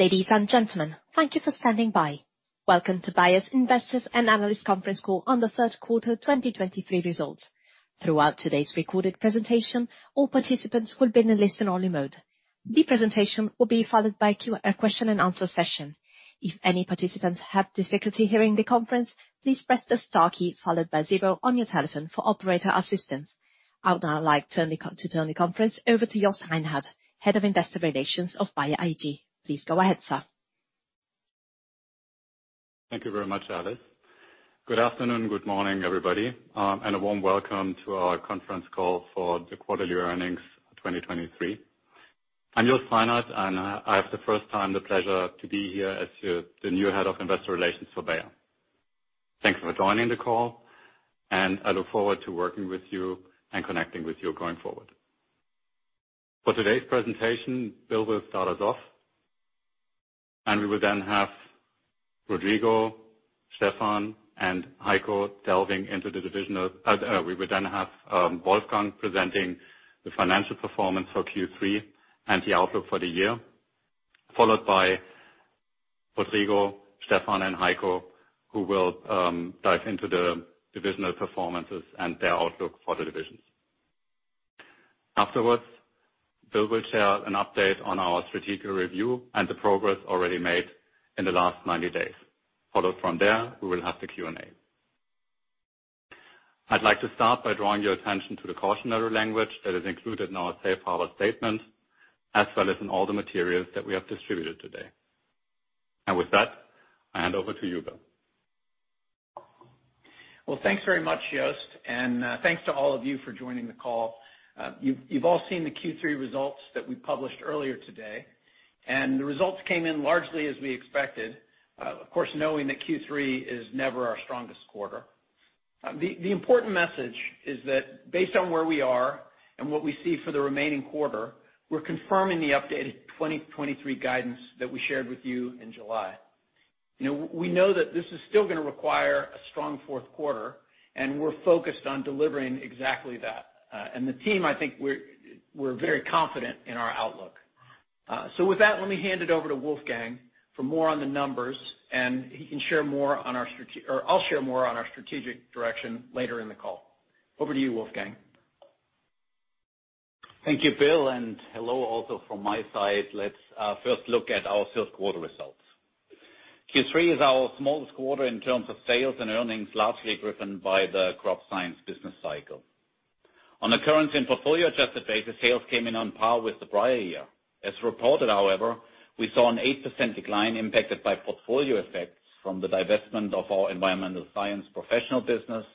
Ladies and gentlemen, thank you for standing by. Welcome to Bayer's Investors and Analyst conference call on the third quarter 2023 results. Throughout today's recorded presentation, all participants will be in a listen-only mode. The presentation will be followed by a Q&A question and answer session. If any participants have difficulty hearing the conference, please press the star key, followed by zero on your telephone for operator assistance. I would now like to turn the conference over to Jost Reinhard, Head of Investor Relations of Bayer AG. Please go ahead, sir. Thank you very much, Alice. Good afternoon, good morning, everybody, and a warm welcome to our conference call for the quarterly earnings 2023. I'm Jost Reinhard, and I have the first time the pleasure to be here as the new head of Investor Relations for Bayer. Thanks for joining the call, and I look forward to working with you and connecting with you going forward. For today's presentation, Bill will start us off, and we will then have Rodrigo, Stefan, and Heiko delving into the divisional. We will then have Wolfgang presenting the financial performance for Q3 and the outlook for the year, followed by Rodrigo, Stefan, and Heiko, who will dive into the divisional performances and their outlook for the divisions. Afterwards, Bill will share an update on our strategic review and the progress already made in the last 90 days. Following from there, we will have the Q&A. I'd like to start by drawing your attention to the cautionary language that is included in our safe harbor statement, as well as in all the materials that we have distributed today. With that, I hand over to you, Bill. Well, thanks very much, Jost, and thanks to all of you for joining the call. You've all seen the Q3 results that we published earlier today, and the results came in largely as we expected, of course, knowing that Q3 is never our strongest quarter. The important message is that based on where we are and what we see for the remaining quarter, we're confirming the updated 2023 guidance that we shared with you in July. You know, we know that this is still gonna require a strong fourth quarter, and we're focused on delivering exactly that. And the team, I think, we're very confident in our outlook. So with that, let me hand it over to Wolfgang for more on the numbers, and he can share more on our, or I'll share more on our strategic direction later in the call. Over to you, Wolfgang. Thank you, Bill, and hello also from my side. Let's first look at our third quarter results. Q3 is our smallest quarter in terms of sales and earnings, largely driven by the crop science business cycle. On a currency and portfolio adjusted basis, sales came in on par with the prior year. As reported, however, we saw an 8% decline impacted by portfolio effects from the divestment of our Environmental Science Professional business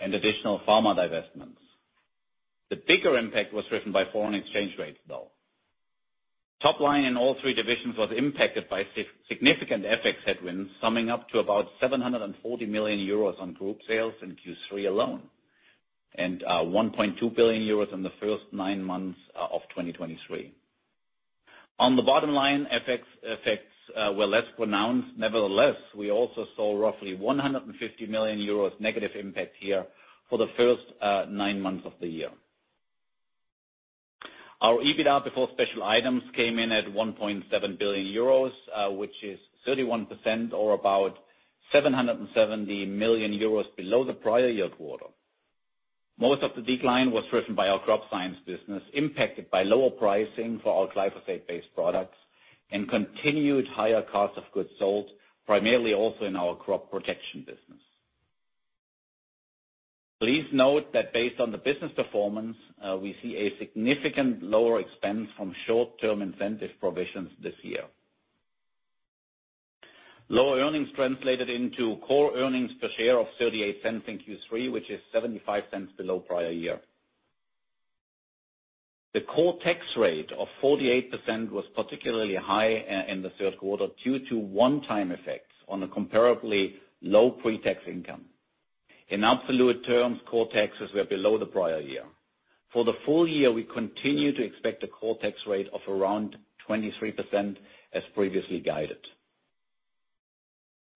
and additional pharma divestments. The bigger impact was driven by foreign exchange rates, though. Top line in all three divisions was impacted by significant FX headwinds, summing up to about 740 million euros on group sales in Q3 alone, and 1.2 billion euros in the first nine months of 2023. On the bottom line, FX effects were less pronounced. Nevertheless, we also saw roughly 150 million euros negative impact here for the first nine months of the year. Our EBITDA before special items came in at 1.7 billion euros, which is 31% or about 770 million euros below the prior year quarter. Most of the decline was driven by our crop science business, impacted by lower pricing for our glyphosate-based products and continued higher cost of goods sold, primarily also in our crop protection business. Please note that based on the business performance, we see a significant lower expense from short-term incentive provisions this year. Lower earnings translated into core earnings per share of 0.38 in Q3, which is 0.75 below prior year. The core tax rate of 48% was particularly high in the third quarter due to one-time effects on a comparably low pre-tax income. In absolute terms, core taxes were below the prior year. For the full year, we continue to expect a core tax rate of around 23%, as previously guided.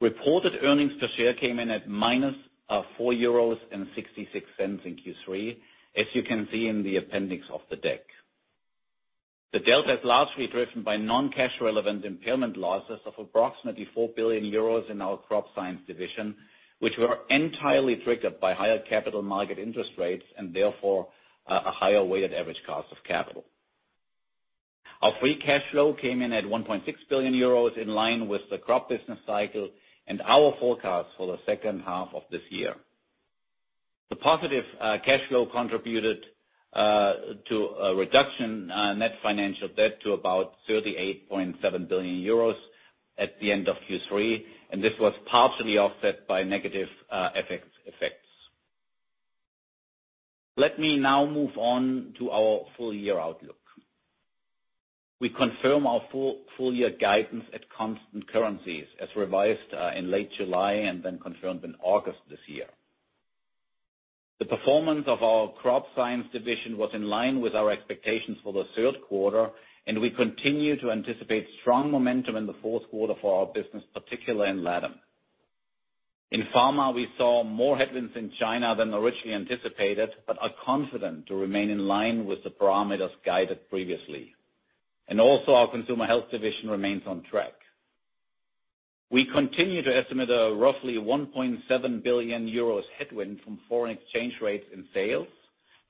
Reported earnings per share came in at minus four euros and sixty-six cents in Q3, as you can see in the appendix of the deck. The delta is largely driven by non-cash relevant impairment losses of approximately 4 billion euros in our Crop Science division, which were entirely triggered by higher capital market interest rates and therefore a higher weighted average cost of capital. Our free cash flow came in at 1.6 billion euros, in line with the crop business cycle and our forecast for the second half of this year. The positive cash flow contributed to a reduction net financial debt to about 38.7 billion euros at the end of Q3, and this was partially offset by negative FX effects. Let me now move on to our full year outlook. We confirm our full year guidance at constant currencies, as revised in late July and then confirmed in August this year. The performance of our crop science division was in line with our expectations for the third quarter, and we continue to anticipate strong momentum in the fourth quarter for our business, particularly in LATAM. In pharma, we saw more headwinds in China than originally anticipated, but are confident to remain in line with the parameters guided previously. And also, our consumer health division remains on track. We continue to estimate a roughly 1.7 billion euros headwind from foreign exchange rates in sales,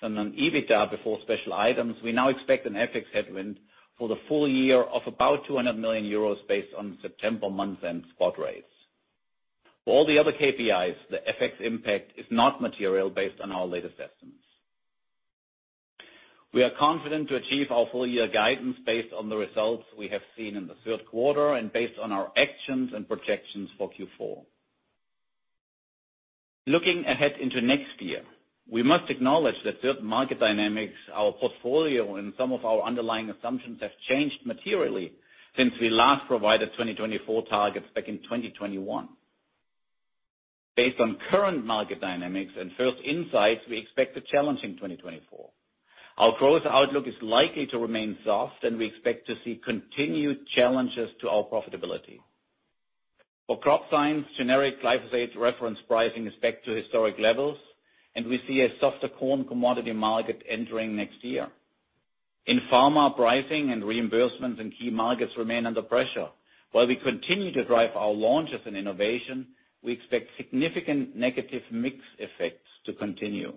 and on EBITDA before special items, we now expect an FX headwind for the full year of about 200 million euros based on September month-end spot rates. For all the other KPIs, the FX impact is not material based on our latest estimates. We are confident to achieve our full-year guidance based on the results we have seen in the third quarter and based on our actions and projections for Q4. Looking ahead into next year, we must acknowledge that certain market dynamics, our portfolio, and some of our underlying assumptions have changed materially since we last provided 2024 targets back in 2021. Based on current market dynamics and first insights, we expect a challenging 2024. Our growth outlook is likely to remain soft, and we expect to see continued challenges to our profitability. For Crop Science, generic glyphosate reference pricing is back to historic levels, and we see a softer corn commodity market entering next year. In pharma, pricing and reimbursements in key markets remain under pressure. While we continue to drive our launches and innovation, we expect significant negative mix effects to continue.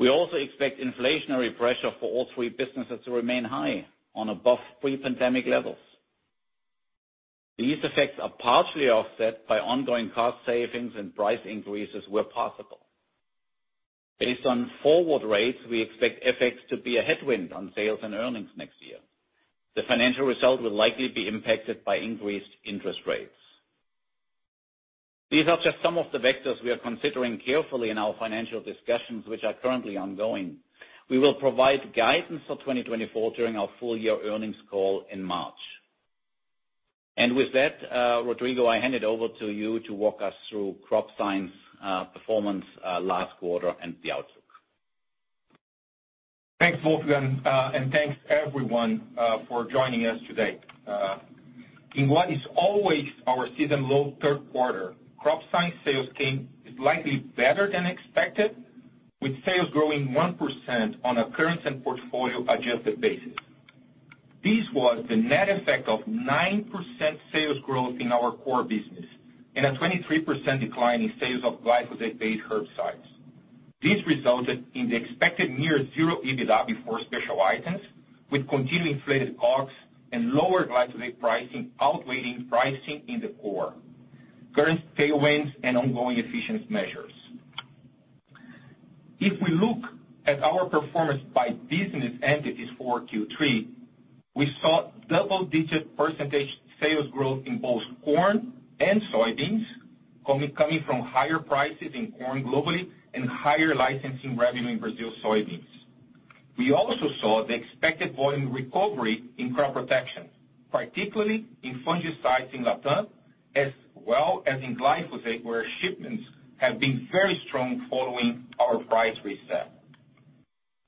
We also expect inflationary pressure for all three businesses to remain high on above pre-pandemic levels. These effects are partially offset by ongoing cost savings and price increases where possible. Based on forward rates, we expect FX to be a headwind on sales and earnings next year. The financial result will likely be impacted by increased interest rates. These are just some of the vectors we are considering carefully in our financial discussions, which are currently ongoing. We will provide guidance for 2024 during our full-year earnings call in March. With that, Rodrigo, I hand it over to you to walk us through Crop Science performance last quarter and the outlook. Thanks, Wolfgang, and thanks, everyone, for joining us today. In what is always our season-low third quarter, Crop Science sales came slightly better than expected, with sales growing 1% on a currency and portfolio-adjusted basis. This was the net effect of 9% sales growth in our core business and a 23% decline in sales of glyphosate-based herbicides. This resulted in the expected near zero EBITDA before special items, with continued inflated costs and lower glyphosate pricing outweighing pricing in the core, currency tailwinds, and ongoing efficiency measures. If we look at our performance by business entities for Q3, we saw double-digit % sales growth in both corn and soybeans, coming from higher prices in corn globally and higher licensing revenue in Brazil soybeans. We also saw the expected volume recovery in crop protection, particularly in fungicides in Latin, as well as in glyphosate, where shipments have been very strong following our price reset.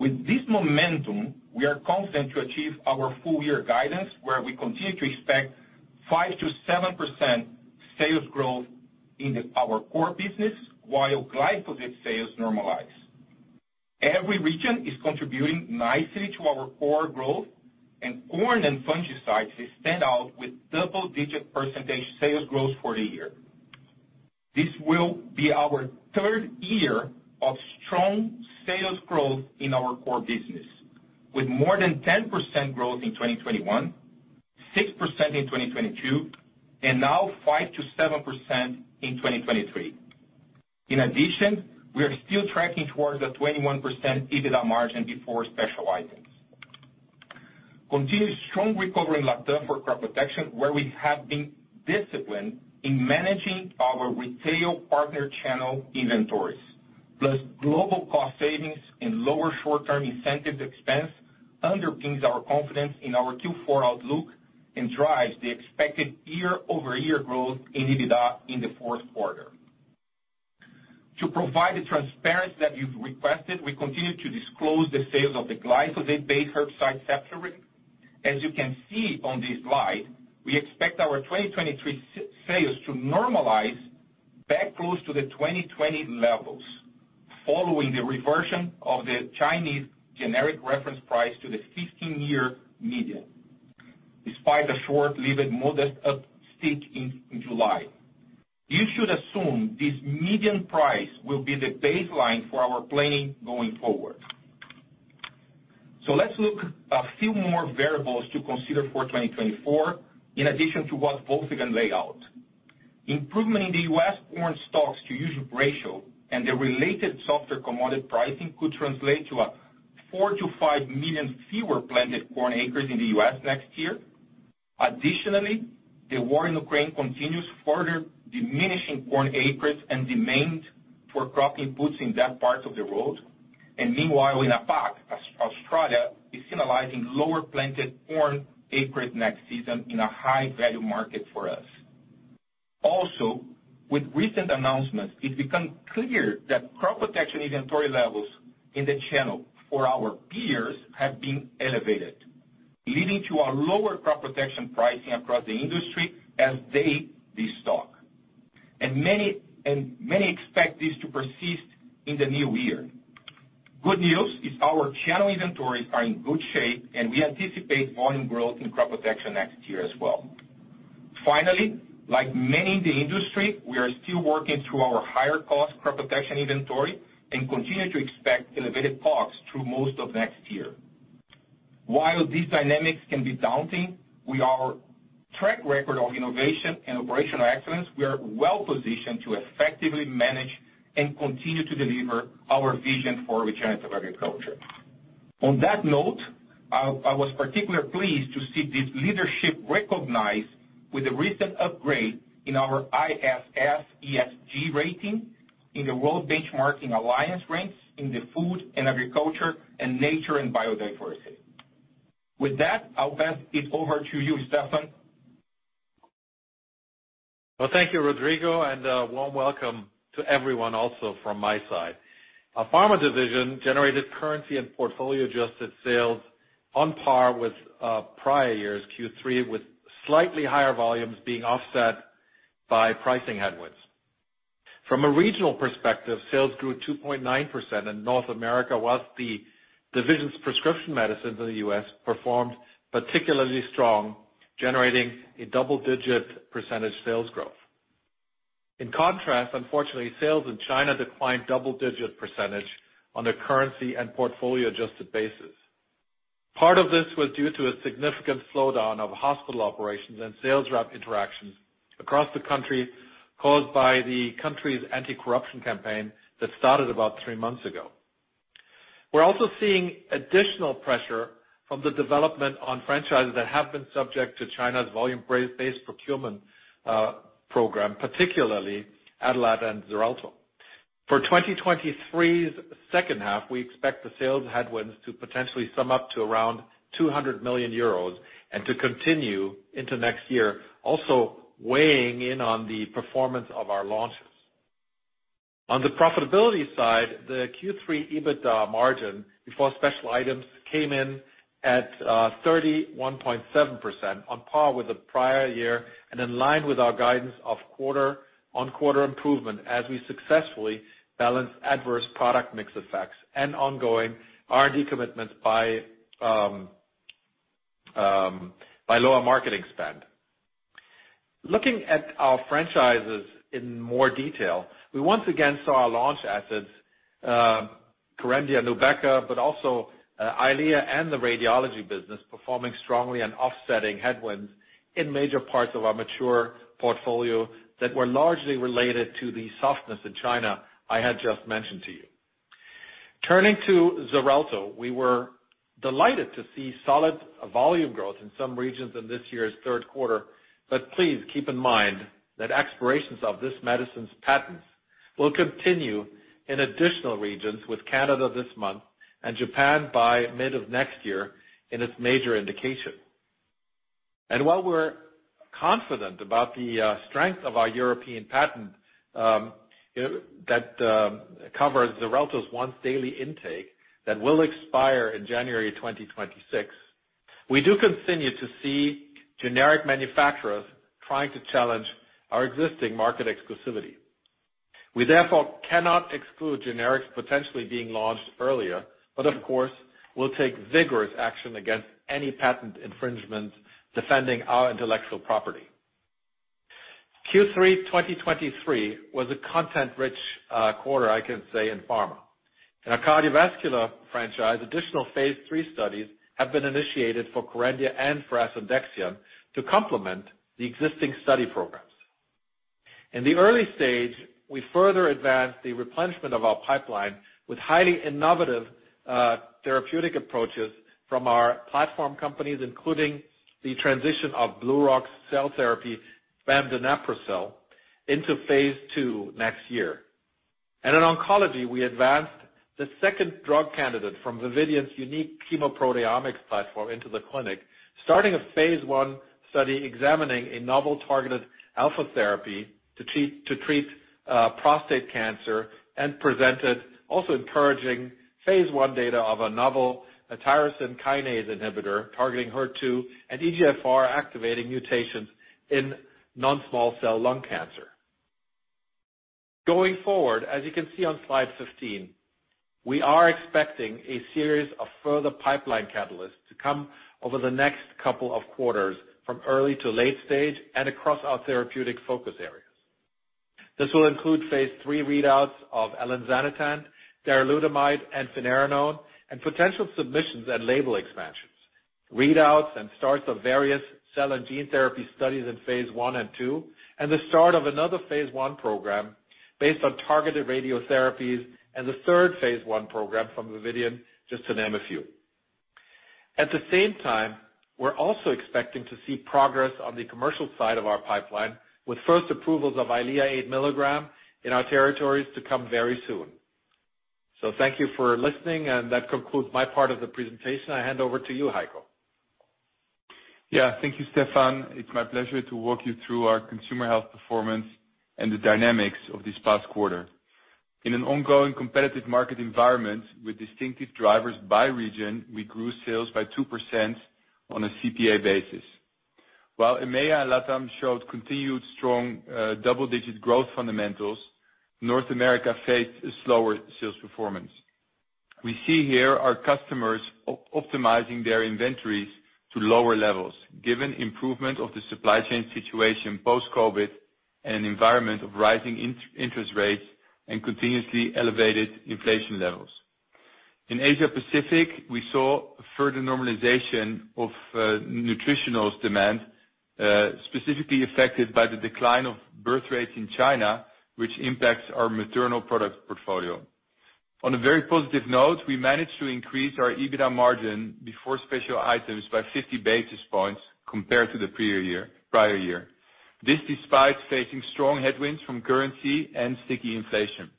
With this momentum, we are confident to achieve our full-year guidance, where we continue to expect 5%-7% sales growth in our core business while glyphosate sales normalize. Every region is contributing nicely to our core growth, and corn and fungicides stand out with double-digit percentage sales growth for the year. This will be our third year of strong sales growth in our core business, with more than 10% growth in 2021, 6% in 2022, and now 5%-7% in 2023. In addition, we are still tracking towards a 21% EBITDA margin before special items. Continued strong recovery in LatAm for crop protection, where we have been disciplined in managing our retail partner channel inventories, plus global cost savings and lower short-term incentive expense underpins our confidence in our Q4 outlook and drives the expected year-over-year growth in EBITDA in the fourth quarter. To provide the transparency that you've requested, we continue to disclose the sales of the glyphosate-based herbicide Cephory. As you can see on this slide, we expect our 2023 sales to normalize back close to the 2020 levels following the reversion of the Chinese generic reference price to the 15-year median, despite a short-lived modest uptick in July. You should assume this median price will be the baseline for our planning going forward. Let's look a few more variables to consider for 2024, in addition to what Wolfgang laid out. Improvement in the U.S. corn stocks-to-use ratio and the related softer commodity pricing could translate to 4-5 million fewer planted corn acres in the U.S. next year. Additionally, the war in Ukraine continues, further diminishing corn acres and demand for crop inputs in that part of the world. Meanwhile, in APAC, Australia is signaling lower planted corn acreage next season in a high-value market for us. Also, with recent announcements, it's become clear that crop protection inventory levels in the channel for our peers have been elevated, leading to a lower crop protection pricing across the industry as they destock. And many expect this to persist in the new year. Good news is our channel inventories are in good shape, and we anticipate volume growth in crop protection next year as well. Finally, like many in the industry, we are still working through our higher-cost crop protection inventory and continue to expect elevated costs through most of next year. While these dynamics can be daunting, with our track record of innovation and operational excellence, we are well-positioned to effectively manage and continue to deliver our vision for regenerative agriculture. On that note, I was particularly pleased to see this leadership recognized with a recent upgrade in our ISS ESG rating in the World Benchmarking Alliance ranks in the Food and Agriculture and Nature and Biodiversity. With that, I'll pass it over to you, Stefan. Well, thank you, Rodrigo, and a warm welcome to everyone also from my side. Our pharma division generated currency and portfolio-adjusted sales on par with prior years' Q3, with slightly higher volumes being offset by pricing headwinds. From a regional perspective, sales grew 2.9% in North America, while the division's prescription medicines in the U.S. performed particularly strong, generating a double-digit percentage sales growth. In contrast, unfortunately, sales in China declined double-digit percentage on a currency and portfolio-adjusted basis. Part of this was due to a significant slowdown of hospital operations and sales rep interactions across the country, caused by the country's anti-corruption campaign that started about three months ago. We're also seeing additional pressure from the development on franchises that have been subject to China's volume-based procurement program, particularly Adalat and Xarelto. For 2023's second half, we expect the sales headwinds to potentially sum up to around 200 million euros and to continue into next year, also weighing in on the performance of our launches. On the profitability side, the Q3 EBITDA margin before special items came in at 31.7%, on par with the prior year, and in line with our guidance of quarter-on-quarter improvement as we successfully balanced adverse product mix effects and ongoing R&D commitments by lower marketing spend. Looking at our franchises in more detail, we once again saw our launch assets, Corvidia and Nubeqa, but also EYLEA and the radiology business, performing strongly and offsetting headwinds in major parts of our mature portfolio that were largely related to the softness in China I had just mentioned to you. Turning to Xarelto, we were delighted to see solid volume growth in some regions in this year's third quarter. But please keep in mind that expirations of this medicine's patents will continue in additional regions, with Canada this month and Japan by mid of next year in its major indication. And while we're confident about the strength of our European patent that covers Xarelto's once-daily intake that will expire in January 2026, we do continue to see generic manufacturers trying to challenge our existing market exclusivity. We therefore cannot exclude generics potentially being launched earlier, but of course, we'll take vigorous action against any patent infringement, defending our intellectual property. Q3 2023 was a content-rich quarter, I can say, in pharma. In our cardiovascular franchise, additional phase III studies have been initiated for Corvidia and for asundexian to complement the existing study programs. In the early stage, we further advanced the replenishment of our pipeline with highly innovative therapeutic approaches from our platform companies, including the transition of BlueRock's cell therapy, bemdaneprocel, into phase II next year. And in oncology, we advanced the second drug candidate from Vividion's unique chemoproteomics platform into the clinic, starting a phase I study examining a novel targeted alpha therapy to treat prostate cancer, and presented also encouraging phase I data of a novel tyrosine kinase inhibitor, targeting HER2 and EGFR activating mutations in non-small cell lung cancer. Going forward, as you can see on slide 15, we are expecting a series of further pipeline catalysts to come over the next couple of quarters, from early to late stage and across our therapeutic focus areas. This will include phase III readouts of asundexian, darolutamide, and finerenone, and potential submissions and label expansions, readouts and starts of various cell and gene therapy studies in phase I and II, and the start of another phase I program based on targeted radiotherapies, and the third phase I program from Vividion, just to name a few. At the same time, we're also expecting to see progress on the commercial side of our pipeline, with first approvals of EYLEA 8 mg in our territories to come very soon. So thank you for listening, and that concludes my part of the presentation. I hand over to you, Heiko. Yeah, thank you, Stefan. It's my pleasure to walk you through our consumer health performance and the dynamics of this past quarter. In an ongoing competitive market environment with distinctive drivers by region, we grew sales by 2% on a CPA basis. While EMEA and LATAM showed continued strong double-digit growth fundamentals, North America faced a slower sales performance. We see here our customers optimizing their inventories to lower levels, given improvement of the supply chain situation post-COVID, and an environment of rising interest rates and continuously elevated inflation levels. In Asia Pacific, we saw a further normalization of nutritionals demand, specifically affected by the decline of birth rates in China, which impacts our maternal product portfolio. On a very positive note, we managed to increase our EBITDA margin before special items by 50 basis points compared to the prior year, prior year. This, despite facing strong headwinds from currency and sticky inflation.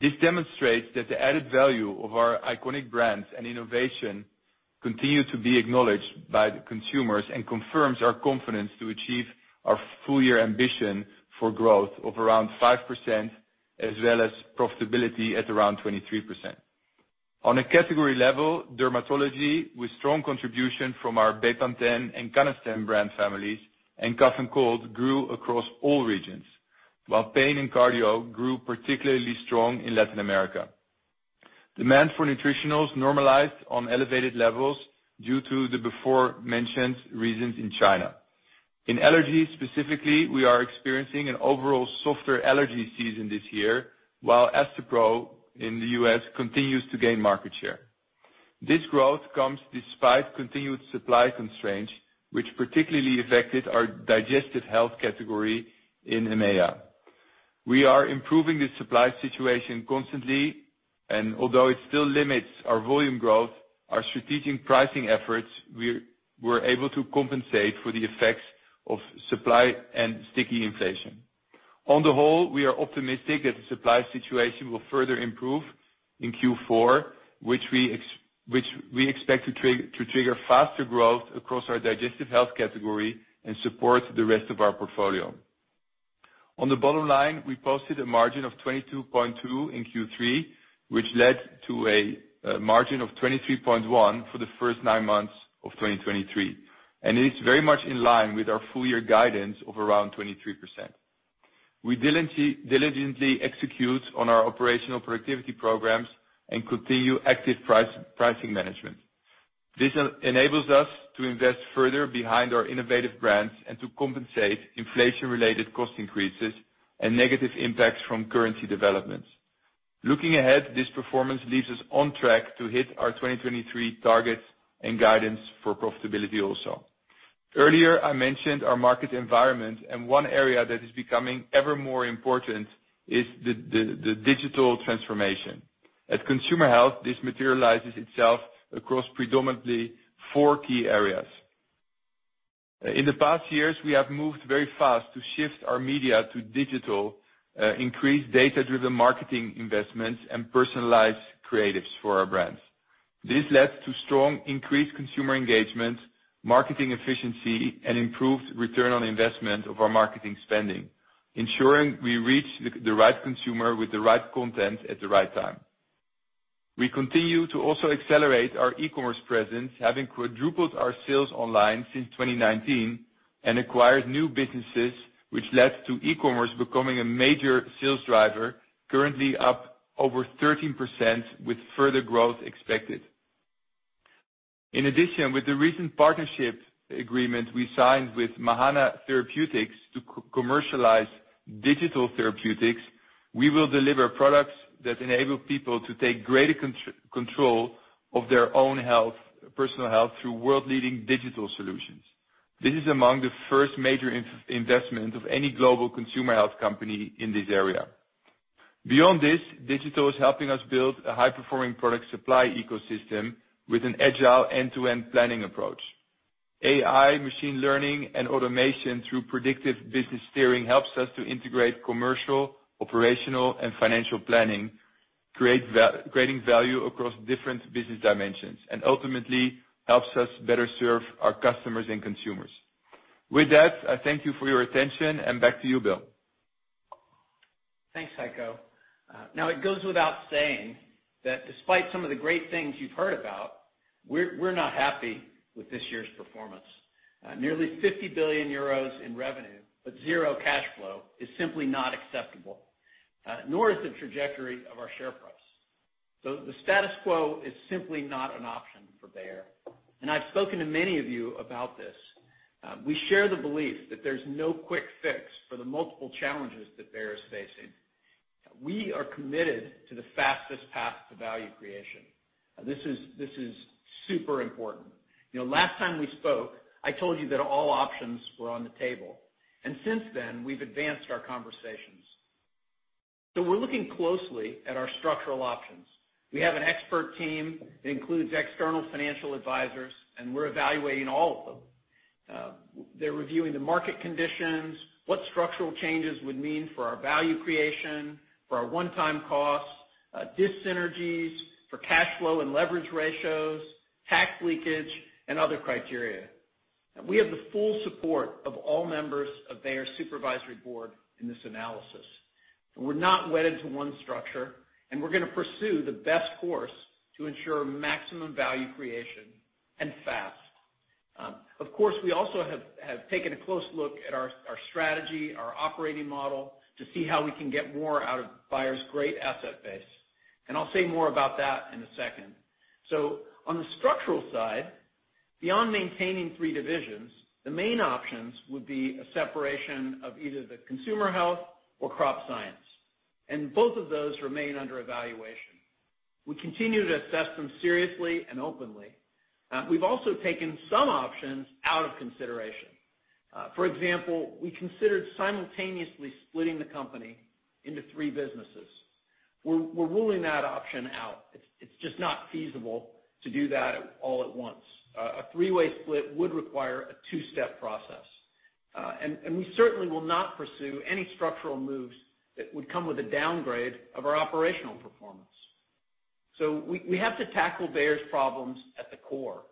This demonstrates that the added value of our iconic brands and innovation continue to be acknowledged by the consumers and confirms our confidence to achieve our full year ambition for growth of around 5%, as well as profitability at around 23%. On a category level, dermatology, with strong contribution from our Bepanthen and Canesten brand families, and cough and cold, grew across all regions, while pain and cardio grew particularly strong in Latin America. Demand for nutritionals normalized on elevated levels due to the before mentioned reasons in China. In allergy, specifically, we are experiencing an overall softer allergy season this year, while Astepro in the U.S. continues to gain market share. This growth comes despite continued supply constraints, which particularly affected our digestive health category in EMEA. We are improving the supply situation constantly, and although it still limits our volume growth, our strategic pricing efforts, we were able to compensate for the effects of supply and sticky inflation. On the whole, we are optimistic that the supply situation will further improve in Q4, which we expect to trigger faster growth across our digestive health category and support the rest of our portfolio. On the bottom line, we posted a margin of 22.2 in Q3, which led to a margin of 23.1 for the first nine months of 2023, and it is very much in line with our full year guidance of around 23%. We diligently execute on our operational productivity programs and continue active pricing management. This enables us to invest further behind our innovative brands and to compensate inflation-related cost increases and negative impacts from currency developments. Looking ahead, this performance leaves us on track to hit our 2023 targets and guidance for profitability also. Earlier, I mentioned our market environment, and one area that is becoming ever more important is the digital transformation. At Consumer Health, this materializes itself across predominantly four key areas. In the past years, we have moved very fast to shift our media to digital, increase data-driven marketing investments, and personalize creatives for our brands. This led to strong increased consumer engagement, marketing efficiency, and improved return on investment of our marketing spending, ensuring we reach the right consumer with the right content at the right time. We continue to also accelerate our e-commerce presence, having quadrupled our sales online since 2019 and acquired new businesses, which led to e-commerce becoming a major sales driver, currently up over 13% with further growth expected. In addition, with the recent partnership agreement we signed with Mahana Therapeutics to co-commercialize digital therapeutics, we will deliver products that enable people to take greater control of their own health, personal health, through world-leading digital solutions. This is among the first major investment of any global consumer health company in this area. Beyond this, digital is helping us build a high-performing product supply ecosystem with an agile end-to-end planning approach. AI, machine learning, and automation through predictive business steering helps us to integrate commercial, operational, and financial planning, create value-creating across different business dimensions, and ultimately helps us better serve our customers and consumers. With that, I thank you for your attention, and back to you, Bill. Thanks, Heiko. Now, it goes without saying that despite some of the great things you've heard about, we're not happy with this year's performance. Nearly 50 billion euros in revenue, but zero cash flow is simply not acceptable, nor is the trajectory of our share price. So the status quo is simply not an option for Bayer, and I've spoken to many of you about this. We share the belief that there's no quick fix for the multiple challenges that Bayer is facing. We are committed to the fastest path to value creation. This is super important. You know, last time we spoke, I told you that all options were on the table, and since then, we've advanced our conversations. So we're looking closely at our structural options. We have an expert team that includes external financial advisors, and we're evaluating all of them. They're reviewing the market conditions, what structural changes would mean for our value creation, for our one-time costs, dissynergies, for cash flow and leverage ratios, tax leakage, and other criteria. We have the full support of all members of Bayer's Supervisory Board in this analysis. We're not wedded to one structure, and we're gonna pursue the best course to ensure maximum value creation, and fast. Of course, we have taken a close look at our strategy, our operating model to see how we can get more out of Bayer's great asset base, and I'll say more about that in a second. So on the structural side, beyond maintaining three divisions, the main options would be a separation of either the Consumer Health or Crop Science, and both of those remain under evaluation. We continue to assess them seriously and openly. We've also taken some options out of consideration. For example, we considered simultaneously splitting the company into three businesses. We're ruling that option out. It's just not feasible to do that all at once. A three-way split would require a two-step process. And we certainly will not pursue any structural moves that would come with a downgrade of our operational performance. So we have to tackle Bayer's problems at the core.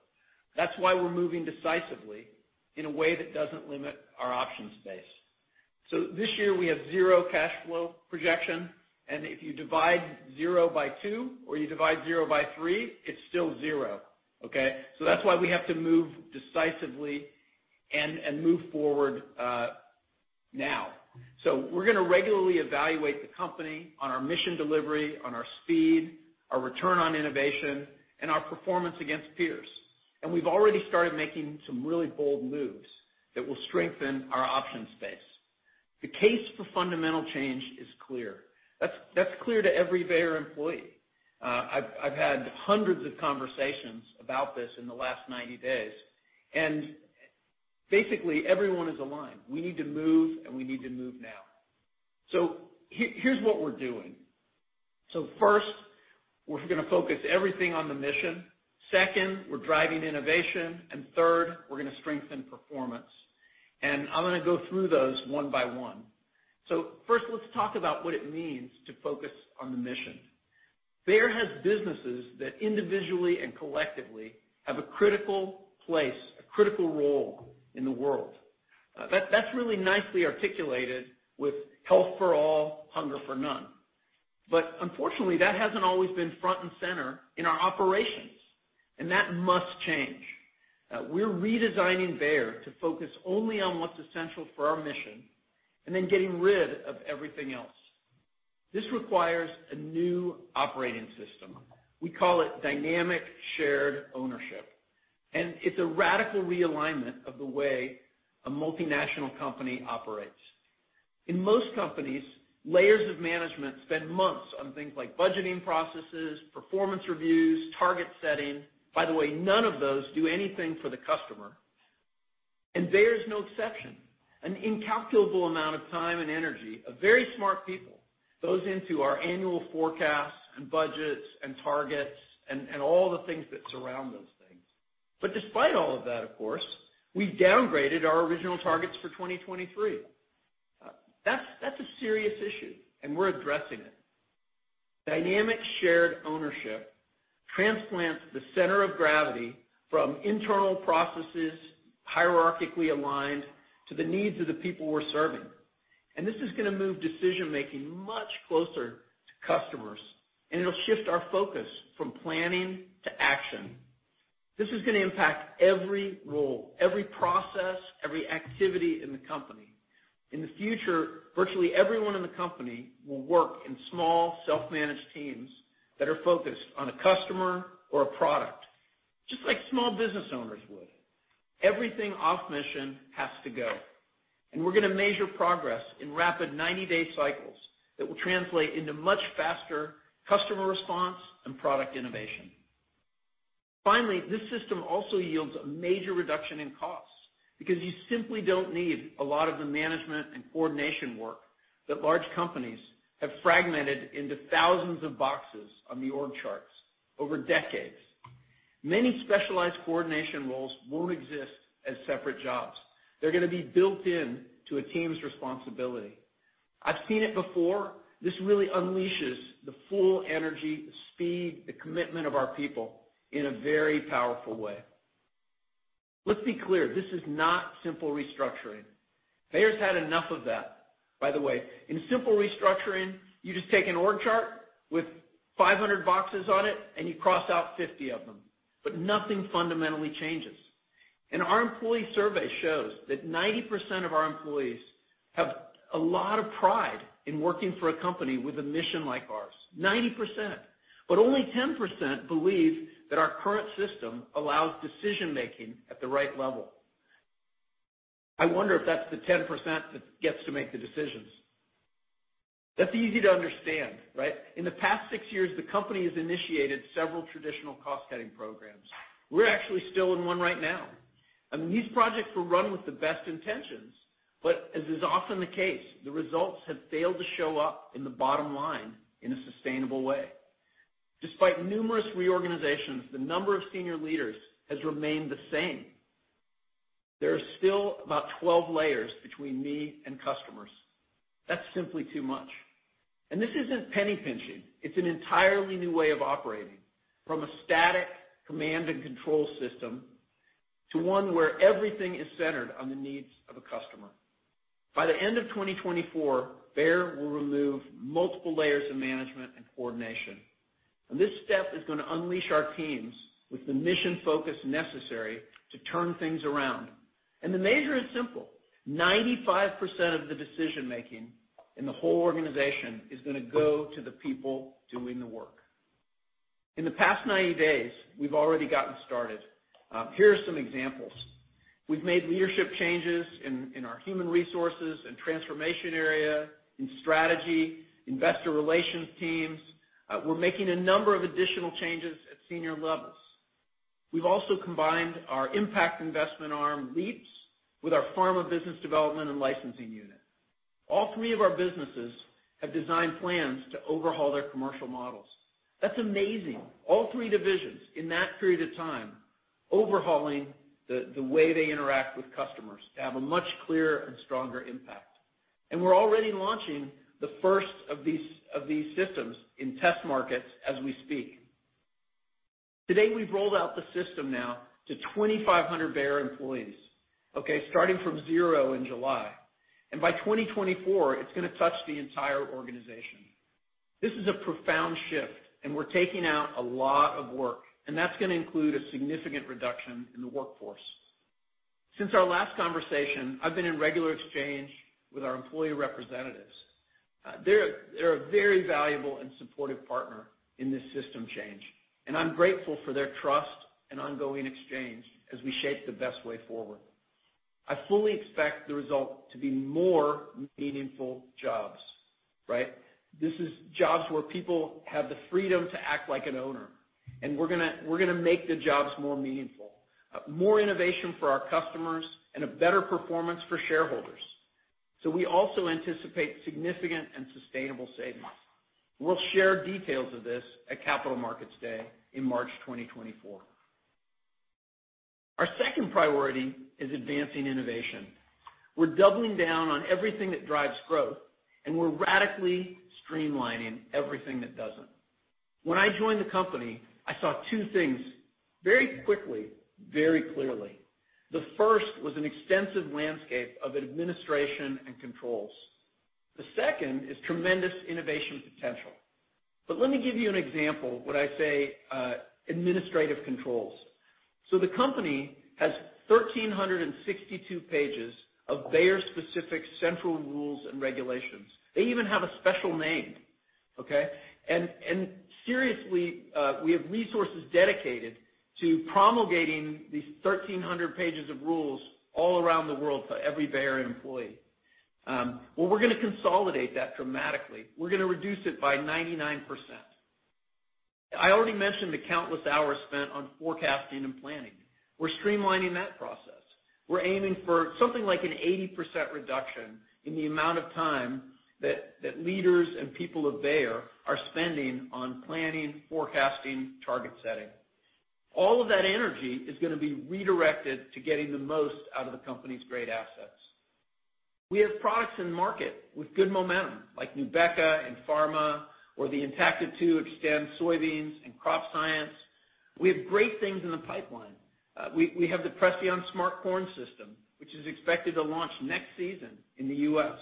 That's why we're moving decisively in a way that doesn't limit our options base. So this year, we have zero cash flow projection, and if you divide 0 by 2 or you divide 0 by 3, it's still 0, okay? So that's why we have to move decisively and move forward, now. So we're gonna regularly evaluate the company on our mission delivery, on our speed, our return on innovation, and our performance against peers. And we've already started making some really bold moves that will strengthen our option space. The case for fundamental change is clear. That's clear to every Bayer employee. I've had hundreds of conversations about this in the last 90 days, and basically, everyone is aligned. We need to move, and we need to move now. So here's what we're doing. So first, we're gonna focus everything on the mission. Second, we're driving innovation. And third, we're gonna strengthen performance. I'm gonna go through those one by one. First, let's talk about what it means to focus on the mission. Bayer has businesses that individually and collectively have a critical place, a critical role in the world. That's really nicely articulated with Health for All, Hunger for None. But unfortunately, that hasn't always been front and center in our operations, and that must change. We're redesigning Bayer to focus only on what's essential for our mission, and then getting rid of everything else. This requires a new operating system. We call it Dynamic Shared Ownership, and it's a radical realignment of the way a multinational company operates. In most companies, layers of management spend months on things like budgeting processes, performance reviews, target setting. By the way, none of those do anything for the customer, and Bayer is no exception. An incalculable amount of time and energy of very smart people goes into our annual forecasts and budgets and targets, and all the things that surround those things. Despite all of that, of course, we downgraded our original targets for 2023. That's a serious issue, and we're addressing it. Dynamic Shared Ownership transplants the center of gravity from internal processes, hierarchically aligned to the needs of the people we're serving. This is gonna move decision-making much closer to customers, and it'll shift our focus from planning to action. This is gonna impact every role, every process, every activity in the company. In the future, virtually everyone in the company will work in small, self-managed teams that are focused on a customer or a product, just like small business owners would. Everything off mission has to go, and we're gonna measure progress in rapid 90-day cycles that will translate into much faster customer response and product innovation. Finally, this system also yields a major reduction in costs because you simply don't need a lot of the management and coordination work that large companies have fragmented into thousands of boxes on the org charts over decades. Many specialized coordination roles won't exist as separate jobs. They're gonna be built in to a team's responsibility. I've seen it before. This really unleashes the full energy, the speed, the commitment of our people in a very powerful way. Let's be clear, this is not simple restructuring. Bayer's had enough of that. By the way, in simple restructuring, you just take an org chart with 500 boxes on it, and you cross out 50 of them, but nothing fundamentally changes. Our employee survey shows that 90% of our employees have a lot of pride in working for a company with a mission like ours, 90%, but only 10% believe that our current system allows decision-making at the right level. I wonder if that's the 10% that gets to make the decisions. That's easy to understand, right? In the past six years, the company has initiated several traditional cost-cutting programs. We're actually still in one right now. I mean, these projects were run with the best intentions, but as is often the case, the results have failed to show up in the bottom line in a sustainable way. Despite numerous reorganizations, the number of senior leaders has remained the same. There are still about 12 layers between me and customers. That's simply too much, and this isn't penny-pinching. It's an entirely new way of operating, from a static command and control system, to one where everything is centered on the needs of a customer. By the end of 2024, Bayer will remove multiple layers of management and coordination, and this step is gonna unleash our teams with the mission focus necessary to turn things around. The measure is simple: 95% of the decision-making in the whole organization is gonna go to the people doing the work. In the past 90 days, we've already gotten started. Here are some examples. We've made leadership changes in our human resources and transformation area, in strategy, investor relations teams. We're making a number of additional changes at senior levels. We've also combined our impact investment arm, Leaps, with our Pharma Business Development and Licensing unit. All three of our businesses have designed plans to overhaul their commercial models. That's amazing. All three divisions, in that period of time, overhauling the way they interact with customers to have a much clearer and stronger impact. We're already launching the first of these systems in test markets as we speak. To date, we've rolled out the system now to 2,500 Bayer employees, okay? Starting from 0 in July, and by 2024, it's gonna touch the entire organization. This is a profound shift, and we're taking out a lot of work, and that's gonna include a significant reduction in the workforce. Since our last conversation, I've been in regular exchange with our employee representatives. They're a very valuable and supportive partner in this system change, and I'm grateful for their trust and ongoing exchange as we shape the best way forward. I fully expect the result to be more meaningful jobs, right? This is jobs where people have the freedom to act like an owner, and we're gonna, we're gonna make the jobs more meaningful, more innovation for our customers, and a better performance for shareholders. So we also anticipate significant and sustainable savings. We'll share details of this at Capital Markets Day in March 2024. Our second priority is advancing innovation. We're doubling down on everything that drives growth, and we're radically streamlining everything that doesn't. When I joined the company, I saw two things very quickly, very clearly. The first was an extensive landscape of administration and controls. The second is tremendous innovation potential. But let me give you an example when I say administrative controls. So the company has 1,362 pages of Bayer-specific central rules and regulations. They even have a special name, okay? And seriously, we have resources dedicated to promulgating these 1,300 pages of rules all around the world to every Bayer employee. Well, we're gonna consolidate that dramatically. We're gonna reduce it by 99%. I already mentioned the countless hours spent on forecasting and planning. We're streamlining that process. We're aiming for something like an 80% reduction in the amount of time that leaders and people of Bayer are spending on planning, forecasting, target setting. All of that energy is gonna be redirected to getting the most out of the company's great assets. We have products in the market with good momentum, like Nubeqa and Pharma or the Intacta 2 Xtend soybeans and crop science. We have great things in the pipeline. We have the Preceon Smart Corn System, which is expected to launch next season in the U.S.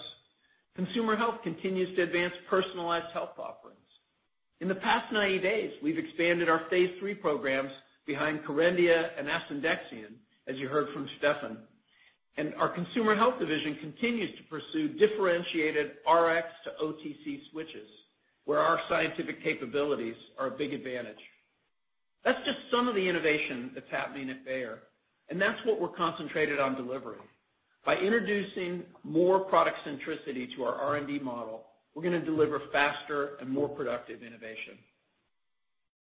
Consumer Health continues to advance personalized health offerings. In the past 90 days, we've expanded our phase III programs behind Kerendia and asundexian, as you heard from Stefan, and our Consumer Health division continues to pursue differentiated Rx-to-OTC switches, where our scientific capabilities are a big advantage. That's just some of the innovation that's happening at Bayer, and that's what we're concentrated on delivering. By introducing more product centricity to our R&D model, we're gonna deliver faster and more productive innovation.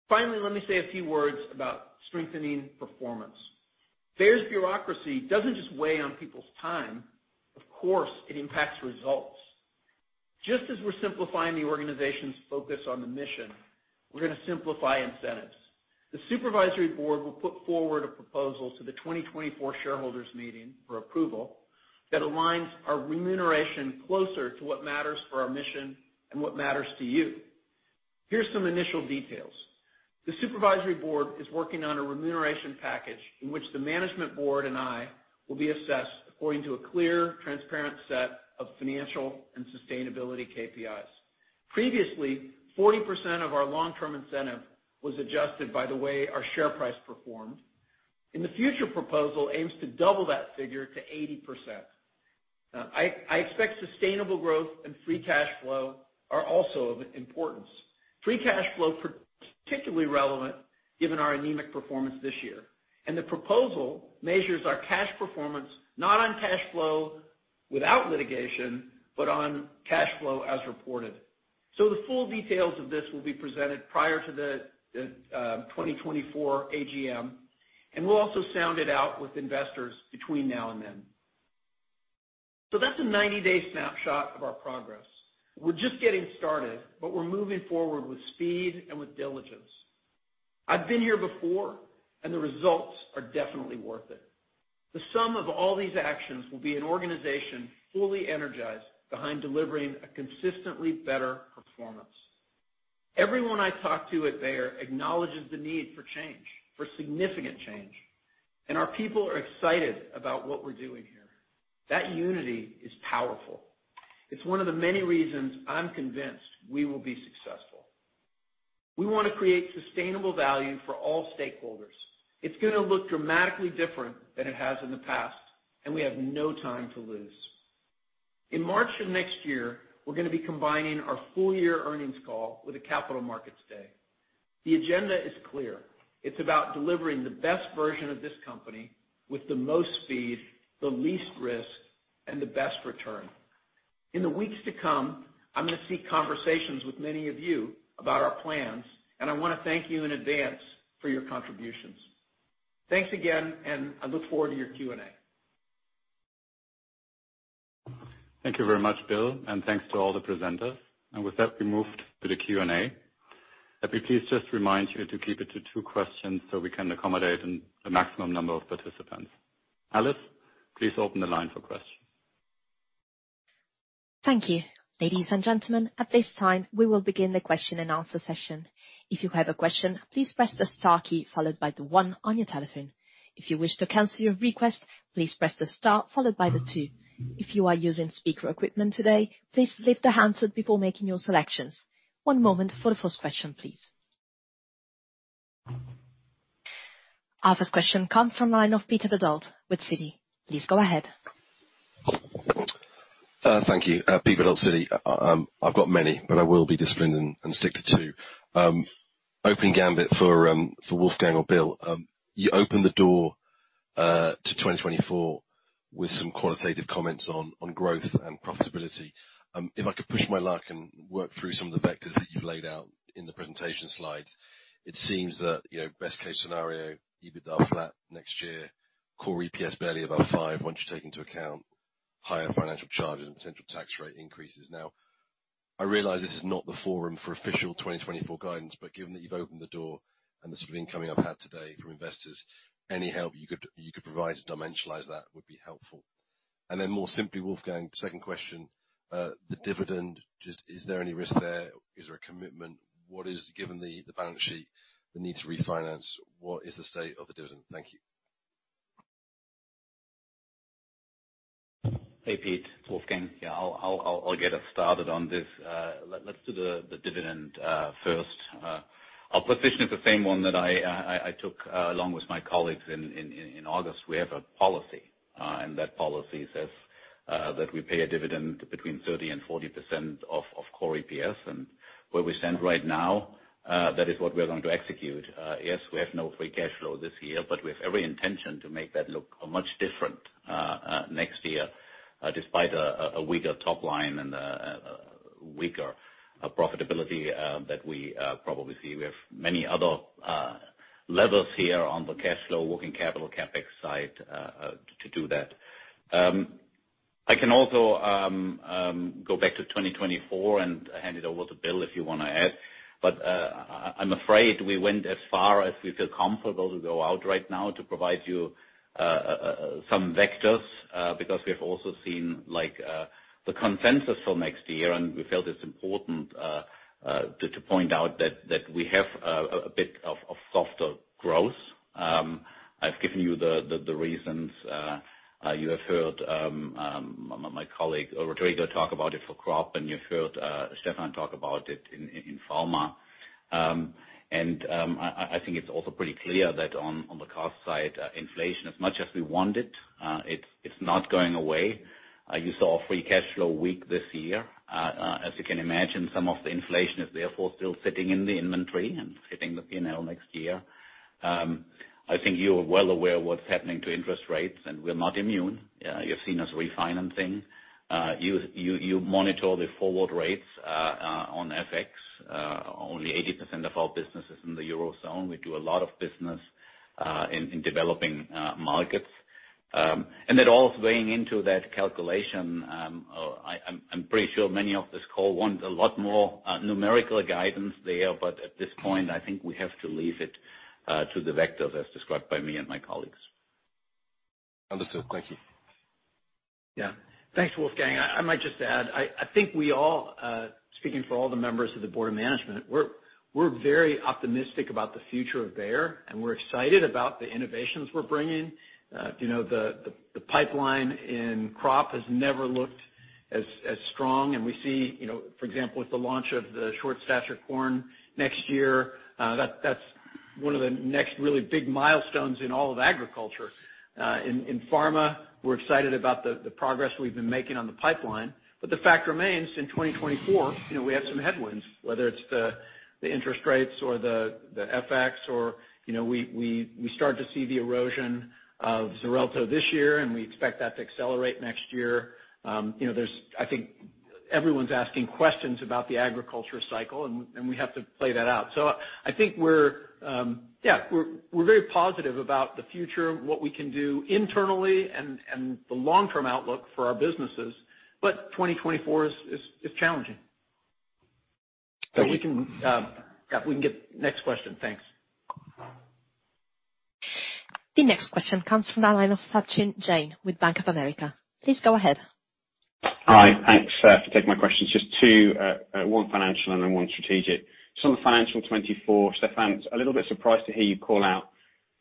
Finally, let me say a few words about strengthening performance. Bayer's bureaucracy doesn't just weigh on people's time. Of course, it impacts results. Just as we're simplifying the organization's focus on the mission, we're gonna simplify incentives. The Supervisory Board will put forward a proposal to the 2024 shareholders meeting for approval, that aligns our remuneration closer to what matters for our mission and what matters to you. Here's some initial details: The Supervisory Board is working on a remuneration package in which the Management Board and I will be assessed according to a clear, transparent set of financial and sustainability KPIs. Previously, 40% of our long-term incentive was adjusted by the way our share price performed. In the future, proposal aims to double that figure to 80%. I expect sustainable growth and free cash flow are also of importance. Free cash flow, particularly relevant given our anemic performance this year, and the proposal measures our cash performance not on cash flow without litigation, but on cash flow as reported. So the full details of this will be presented prior to the 2024 AGM, and we'll also sound it out with investors between now and then. So that's a 90-day snapshot of our progress. We're just getting started, but we're moving forward with speed and with diligence. I've been here before, and the results are definitely worth it. The sum of all these actions will be an organization fully energized behind delivering a consistently better performance. Everyone I talk to at Bayer acknowledges the need for change, for significant change, and our people are excited about what we're doing here. That unity is powerful. It's one of the many reasons I'm convinced we will be successful. We want to create sustainable value for all stakeholders. It's gonna look dramatically different than it has in the past, and we have no time to lose. In March of next year, we're gonna be combining our full year earnings call with a capital markets day. The agenda is clear. It's about delivering the best version of this company with the most speed, the least risk, and the best return. In the weeks to come, I'm gonna seek conversations with many of you about our plans, and I want to thank you in advance for your contributions. Thanks again, and I look forward to your Q&A. Thank you very much, Bill, and thanks to all the presenters. With that, we move to the Q&A. Let me please just remind you to keep it to two questions so we can accommodate a maximum number of participants. Alice, please open the line for questions. Thank you. Ladies and gentlemen, at this time, we will begin the question and answer session. If you have a question, please press the star key, followed by the one on your telephone. If you wish to cancel your request, please press the star followed by the two. If you are using speaker equipment today, please lift the handset before making your selections. One moment for the first question, please. Our first question comes from line of Peter Verdult with Citi. Please go ahead. Thank you. Peter Verdult, Citi. I've got many, but I will be disciplined and stick to two. Opening gambit for Wolfgang or Bill. You opened the door to 2024 with some qualitative comments on growth and profitability. If I could push my luck and work through some of the vectors that you've laid out in the presentation slides, it seems that, you know, best case scenario, EBITDA flat next year, core EPS barely above 5 once you take into account higher financial charges and potential tax rate increases. Now, I realize this is not the forum for official 2024 guidance, but given that you've opened the door and the sort of incoming I've had today from investors, any help you could provide to dimensionalize that would be helpful. Then more simply, Wolfgang, second question, the dividend, just is there any risk there? Is there a commitment? What is, given the, the balance sheet, the need to refinance, what is the state of the dividend? Thank you. Hey, Pete, Wolfgang. Yeah, I'll get us started on this. Let's do the dividend first. Our position is the same one that I took along with my colleagues in August. We have a policy, and that policy says that we pay a dividend between 30% and 40% of core EPS. And where we stand right now, that is what we are going to execute. Yes, we have no free cash flow this year, but we have every intention to make that look much different next year, despite a weaker top line and weaker profitability that we probably see. We have many other levers here on the cash flow, working capital, CapEx side to do that. I can also go back to 2024 and hand it over to Bill, if you want to add. But I'm afraid we went as far as we feel comfortable to go out right now to provide you some vectors, because we have also seen, like, the consensus for next year, and we felt it's important to point out that we have a bit of softer growth. I've given you the reasons. You have heard my colleague Rodrigo talk about it for Crop, and you've heard Stefan talk about it in Pharma. And I think it's also pretty clear that on the cost side, inflation, as much as we want it, it's not going away. You saw a free cash flow weak this year. As you can imagine, some of the inflation is therefore still sitting in the inventory and hitting the P&L next year. I think you are well aware of what's happening to interest rates, and we're not immune. You've seen us refinancing. You monitor the forward rates on FX. Only 80% of our business is in the Eurozone. We do a lot of business in developing markets. That all is weighing into that calculation. I'm pretty sure many of this call want a lot more numerical guidance there, but at this point, I think we have to leave it to the vectors as described by me and my colleagues. Understood. Thank you. Yeah. Thanks, Wolfgang. I might just add, I think we all, speaking for all the members of the board of management, we're very optimistic about the future of Bayer, and we're excited about the innovations we're bringing. You know, the pipeline in Crop has never looked as strong, and we see, you know, for example, with the launch of the short-stature corn next year, that's one of the next really big milestones in all of agriculture. In Pharma, we're excited about the progress we've been making on the pipeline. But the fact remains, in 2024, you know, we have some headwinds, whether it's the interest rates or the FX or, you know, we start to see the erosion of Xarelto this year, and we expect that to accelerate next year. You know, there's, I think everyone's asking questions about the agriculture cycle, and we have to play that out. So I think we're, yeah, we're very positive about the future, what we can do internally and the long-term outlook for our businesses. But 2024 is challenging. But we can, yeah, if we can get next question. Thanks. The next question comes from the line of Sachin Jain with Bank of America. Please go ahead. Hi. Thanks for taking my questions. Just two, one financial and then one strategic. So on the financial 2024, Stefan, a little bit surprised to hear you call out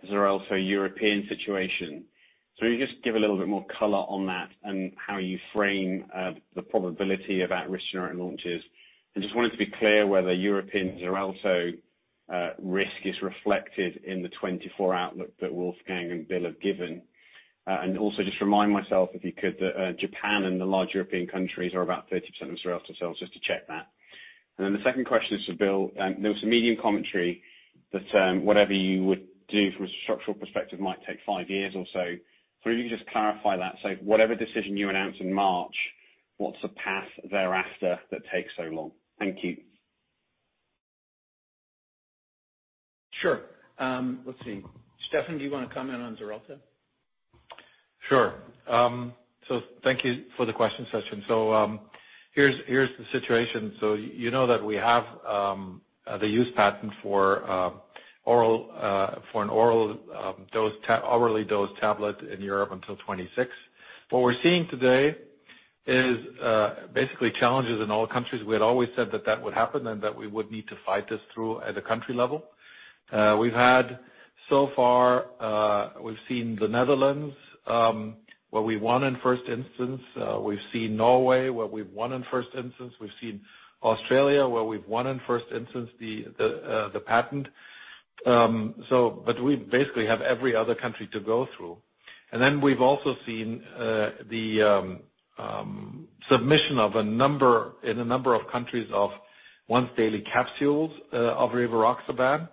the Xarelto European situation. So can you just give a little bit more color on that and how you frame the probability of at-risk generic launches? I just wanted to be clear whether European Xarelto risk is reflected in the 2024 outlook that Wolfgang and Bill have given. And also just remind myself, if you could, that Japan and the large European countries are about 30% of Xarelto sales, just to check that. And then the second question is for Bill. There was some media commentary that whatever you would do from a structural perspective might take five years or so. So if you could just clarify that. Whatever decision you announce in March, what's the path thereafter that takes so long? Thank you. Sure. Let's see. Stefan, do you wanna comment on Xarelto? Sure. So thank you for the question, Sachin. So, here's the situation. So you know that we have the use patent for an oral hourly dose tablet in Europe until 2026. What we're seeing today is basically challenges in all countries. We had always said that that would happen, and that we would need to fight this through at a country level. So far, we've seen the Netherlands, where we won in first instance. We've seen Norway, where we've won in first instance. We've seen Australia, where we've won in first instance, the patent. So but we basically have every other country to go through. And then we've also seen the submission in a number of countries of once-daily capsules of rivaroxaban.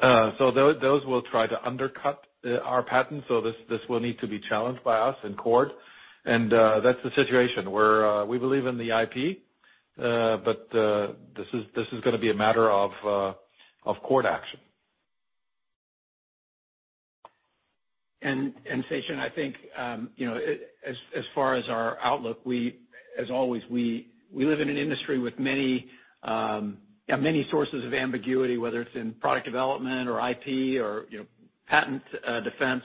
So those will try to undercut our patent, so this will need to be challenged by us in court, and that's the situation where we believe in the IP, but this is gonna be a matter of court action. And Sachin, I think, you know, as far as our outlook, we, as always, we live in an industry with many sources of ambiguity, whether it's in product development or IP or, you know, patent defense.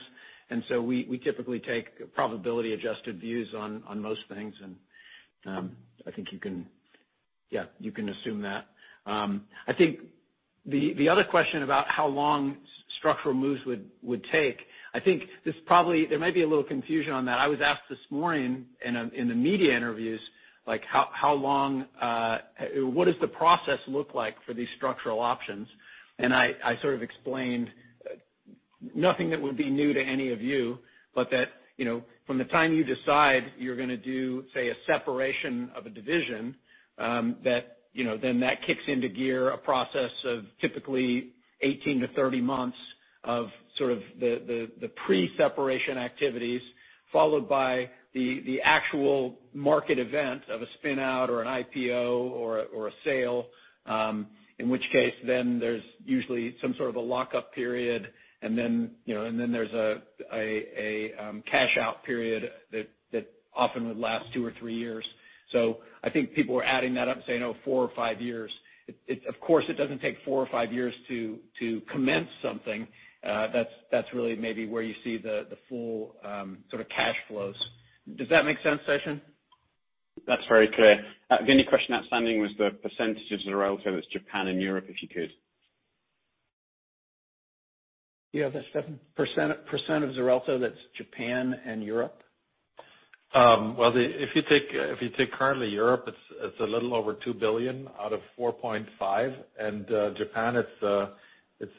And so we typically take probability adjusted views on most things, and I think you can assume that. I think the other question about how long structural moves would take, I think this probably... There might be a little confusion on that. I was asked this morning in the media interviews, like, how long what does the process look like for these structural options? I sort of explained, nothing that would be new to any of you, but that, you know, from the time you decide you're gonna do, say, a separation of a division, that, you know, then that kicks into gear a process of typically 18-30 months of sort of the pre-separation activities, followed by the actual market event of a spin out or an IPO or a sale. In which case, then there's usually some sort of a lockup period, and then, you know, and then there's a cash out period that often would last two or three years. So I think people are adding that up and saying, oh, four or five years. It, of course, doesn't take four or five years to commence something. That's really maybe where you see the full sort of cash flows. Does that make sense, Sachin? That's very clear. The only question outstanding was the percentage of Xarelto that's Japan and Europe, if you could. You have that, Stefan? %,% of Xarelto, that's Japan and Europe. Well, if you take currently Europe, it's a little over 2 billion out of 4.5 billion, and Japan, it's.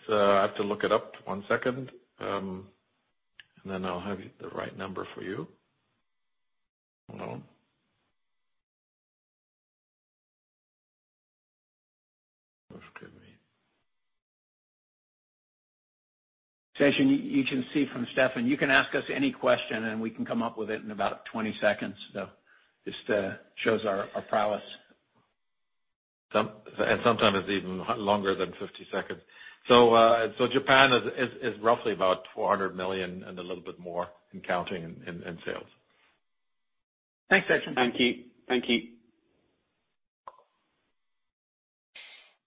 I have to look it up. One second, and then I'll have the right number for you. Hold on. Excuse me. Sachin, you can see from Stefan, you can ask us any question, and we can come up with it in about 20 seconds. So just shows our prowess. Sometimes it's even longer than 50 seconds. So Japan is roughly about 400 million and a little bit more in constant currency in sales. Thanks, Sachin. Thank you. Thank you.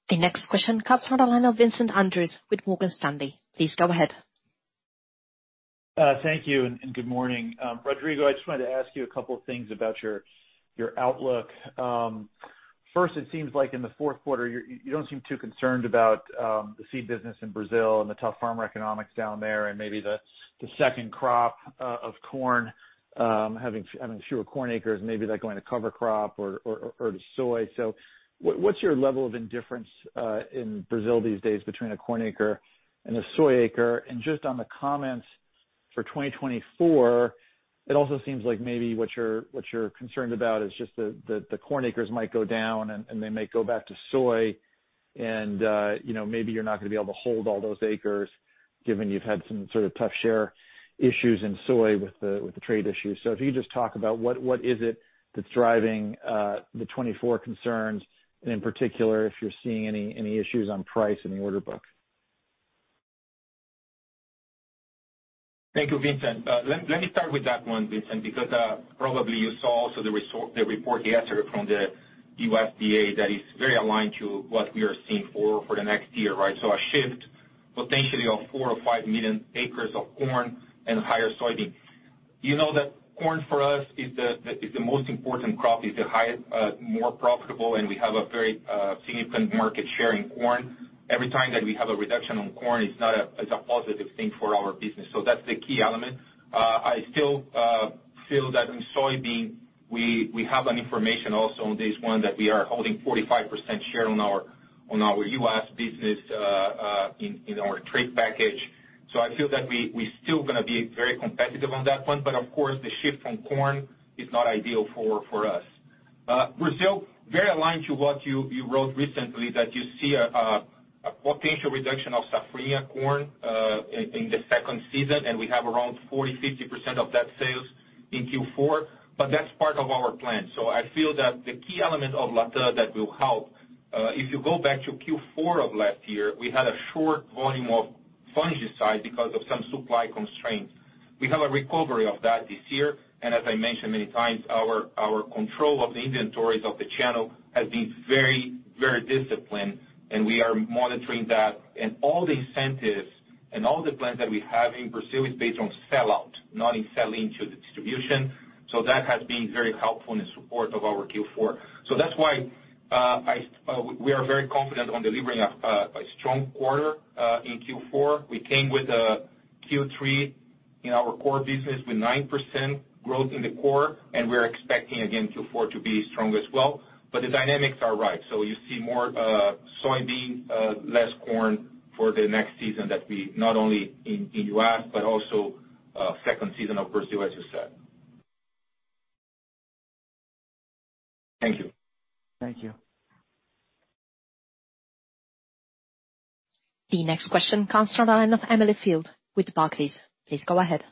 The next question comes on the line of Vincent Andrews with Morgan Stanley. Please go ahead. Thank you, and good morning. Rodrigo, I just wanted to ask you a couple of things about your outlook. First, it seems like in the fourth quarter, you don't seem too concerned about the seed business in Brazil and the tough farmer economics down there, and maybe the second crop of corn having fewer corn acres, maybe that going to cover crop or to soy. So what's your level of indifference in Brazil these days between a corn acre and a soy acre? And just on the comments for 2024, it also seems like maybe what you're concerned about is just the corn acres might go down and they may go back to soy. and, you know, maybe you're not going to be able to hold all those acres, given you've had some sort of tough share issues in soy with the, with the trade issues. So if you could just talk about what, what is it that's driving, the 2024 concerns, and in particular, if you're seeing any, any issues on price in the order book? Thank you, Vincent. Let me start with that one, Vincent, because probably you saw also the report yesterday from the USDA that is very aligned to what we are seeing for the next year, right? So a shift potentially of 4 or 5 million acres of corn and higher soybean. You know that corn for us is the most important crop, is the highest more profitable, and we have a very significant market share in corn. Every time that we have a reduction on corn, it's a positive thing for our business. So that's the key element. I still feel that in soybean, we have an information also on this one, that we are holding 45% share on our U.S. business in our trade package. So I feel that we still gonna be very competitive on that one. But of course, the shift from corn is not ideal for us. Brazil, very aligned to what you wrote recently, that you see a potential reduction of Safrinha corn in the second season, and we have around 40-50% of that sales in Q4, but that's part of our plan. So I feel that the key element of LATAM that will help, if you go back to Q4 of last year, we had a short volume of fungicide because of some supply constraints. We have a recovery of that this year, and as I mentioned many times, our control of the inventories of the channel has been very, very disciplined, and we are monitoring that. All the incentives and all the plans that we have in Brazil is based on sellout, not in selling to the distribution. So that has been very helpful in support of our Q4. So that's why we are very confident on delivering a strong quarter in Q4. We came with a Q3 in our core business with 9% growth in the core, and we're expecting again Q4 to be strong as well. But the dynamics are right, so you see more soybean, less corn for the next season that we not only in the U.S., but also second season of Brazil, as you said. Thank you. Thank you. The next question comes from the line of Emily Field with Barclays. Please go ahead.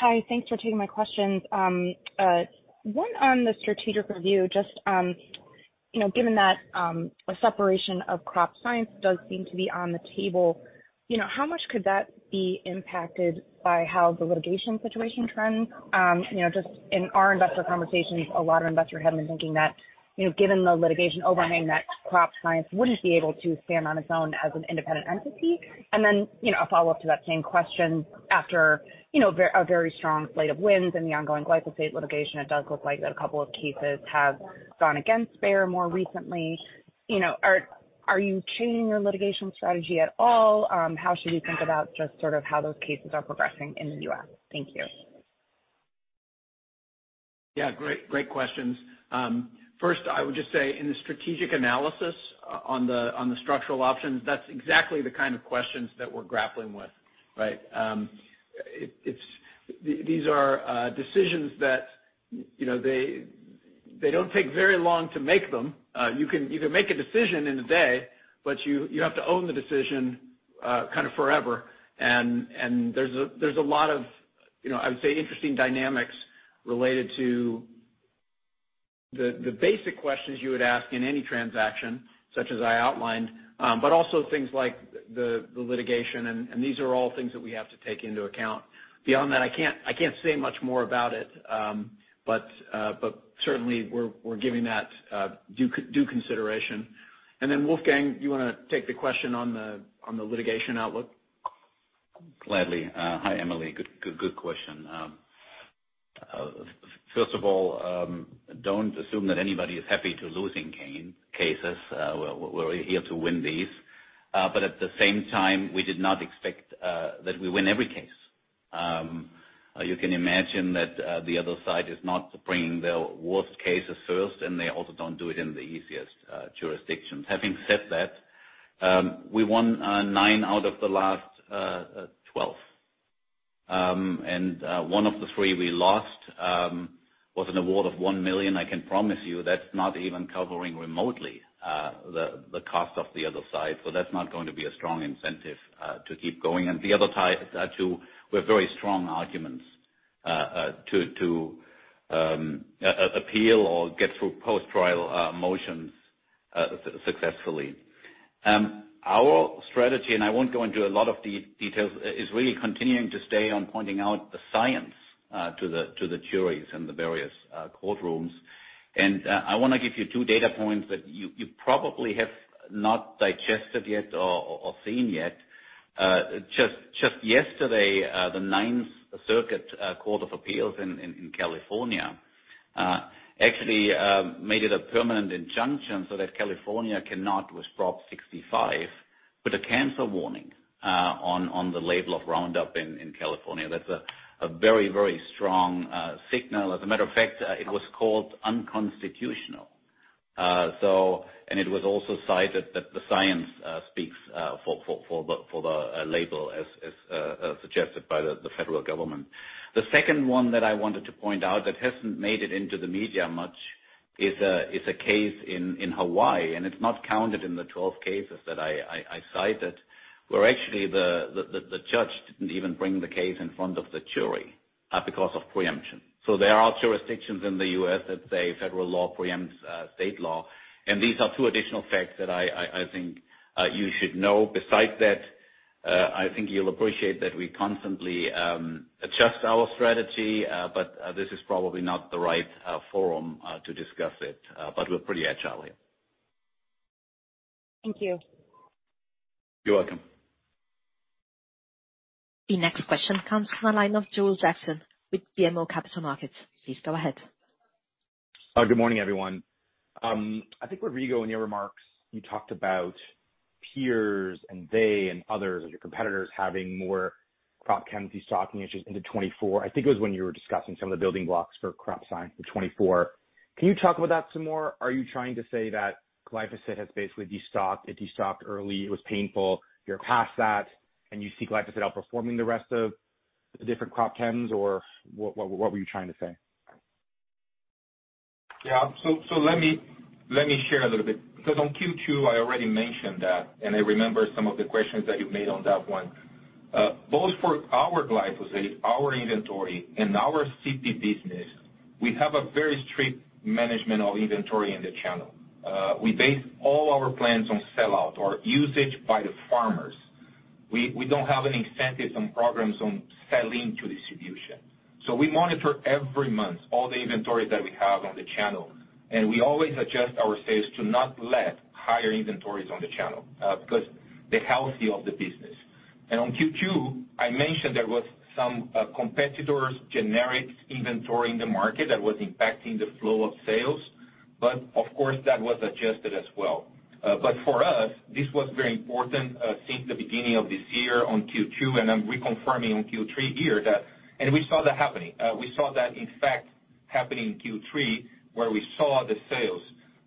Hi, thanks for taking my questions. One on the strategic review, just, you know, given that a separation of crop science does seem to be on the table, you know, how much could that be impacted by how the litigation situation trends? You know, just in our investor conversations, a lot of investors have been thinking that, you know, given the litigation overhang, that crop science wouldn't be able to stand on its own as an independent entity. And then, you know, a follow-up to that same question, after, you know, a very strong slate of wins in the ongoing glyphosate litigation, it does look like that a couple of cases have gone against Bayer more recently. You know, are you changing your litigation strategy at all? How should we think about just sort of how those cases are progressing in the U.S.? Thank you. Yeah, great, great questions. First, I would just say in the strategic analysis on the, on the structural options, that's exactly the kind of questions that we're grappling with, right? These are decisions that, you know, they don't take very long to make them. You can make a decision in a day, but you have to own the decision, kind of forever. And there's a lot of, you know, I would say, interesting dynamics related to the basic questions you would ask in any transaction, such as I outlined, but also things like the litigation, and these are all things that we have to take into account. Beyond that, I can't say much more about it, but certainly we're giving that due consideration. And then, Wolfgang, do you wanna take the question on the litigation outlook? Gladly. Hi, Emily. Good, good, good question. First of all, don't assume that anybody is happy to lose in gain cases. We're, we're here to win these. But at the same time, we did not expect that we win every case. You can imagine that the other side is not bringing their worst cases first, and they also don't do it in the easiest jurisdictions. Having said that, we won nine out of the last 12. One of the three we lost was an award of $1 million. I can promise you that's not even covering remotely the cost of the other side. So that's not going to be a strong incentive to keep going. And the other two were very strong arguments to appeal or get through post-trial motions successfully. Our strategy, and I won't go into a lot of details, is really continuing to stay on pointing out the science to the juries in the various courtrooms. And I wanna give you two data points that you probably have not digested yet or seen yet. Just yesterday, the Ninth Circuit Court of Appeals in California actually made it a permanent injunction so that California cannot withdraw Prop 65, with a cancer warning on the label of Roundup in California. That's a very, very strong signal. As a matter of fact, it was called unconstitutional. It was also cited that the science speaks for the label as suggested by the federal government. The second one that I wanted to point out that hasn't made it into the media much. Is a case in Hawaii, and it's not counted in the 12 cases that I cited, where actually the judge didn't even bring the case in front of the jury because of preemption. So there are jurisdictions in the U.S. that say federal law preempts state law, and these are two additional facts that I think you should know. Besides that, I think you'll appreciate that we constantly adjust our strategy, but this is probably not the right forum to discuss it, but we're pretty agile here. Thank you. You're welcome. The next question comes from the line of Joel Jackson with BMO Capital Markets. Please go ahead. Good morning, everyone. I think, Rodrigo, in your remarks, you talked about peers and they and others, and your competitors having more crop chemistry stocking issues into 2024. I think it was when you were discussing some of the building blocks for Crop Science in 2024. Can you talk about that some more? Are you trying to say that glyphosate has basically destocked, it destocked early, it was painful, you're past that, and you see glyphosate outperforming the rest of the different crop chems, or what, what, what were you trying to say? Yeah. So let me share a little bit, because on Q2, I already mentioned that, and I remember some of the questions that you made on that one. Both for our glyphosate, our inventory, and our CP business, we have a very strict management of inventory in the channel. We base all our plans on sellout or usage by the farmers. We don't have any incentives and programs on selling to distribution. So we monitor every month all the inventory that we have on the channel, and we always adjust our sales to not let higher inventories on the channel, because of the health of the business. And on Q2, I mentioned there was some competitors generic inventory in the market that was impacting the flow of sales, but of course, that was adjusted as well. But for us, this was very important, since the beginning of this year on Q2, and I'm reconfirming on Q3 here that... And we saw that happening. We saw that, in fact, happening in Q3, where we saw the sales.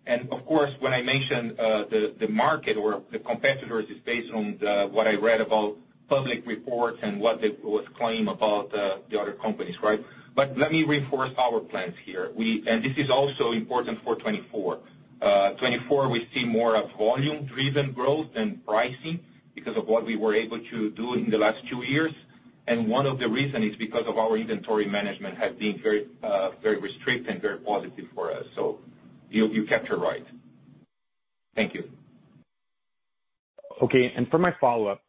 And of course, when I mentioned the market or the competitors, is based on what I read about public reports and what it was claimed about the other companies, right? But let me reinforce our plans here. And this is also important for 2024. 2024, we see more of volume-driven growth than pricing because of what we were able to do in the last two years, and one of the reason is because of our inventory management has been very, very strict and very positive for us. So you captured right. Thank you. Okay, and for my follow-up,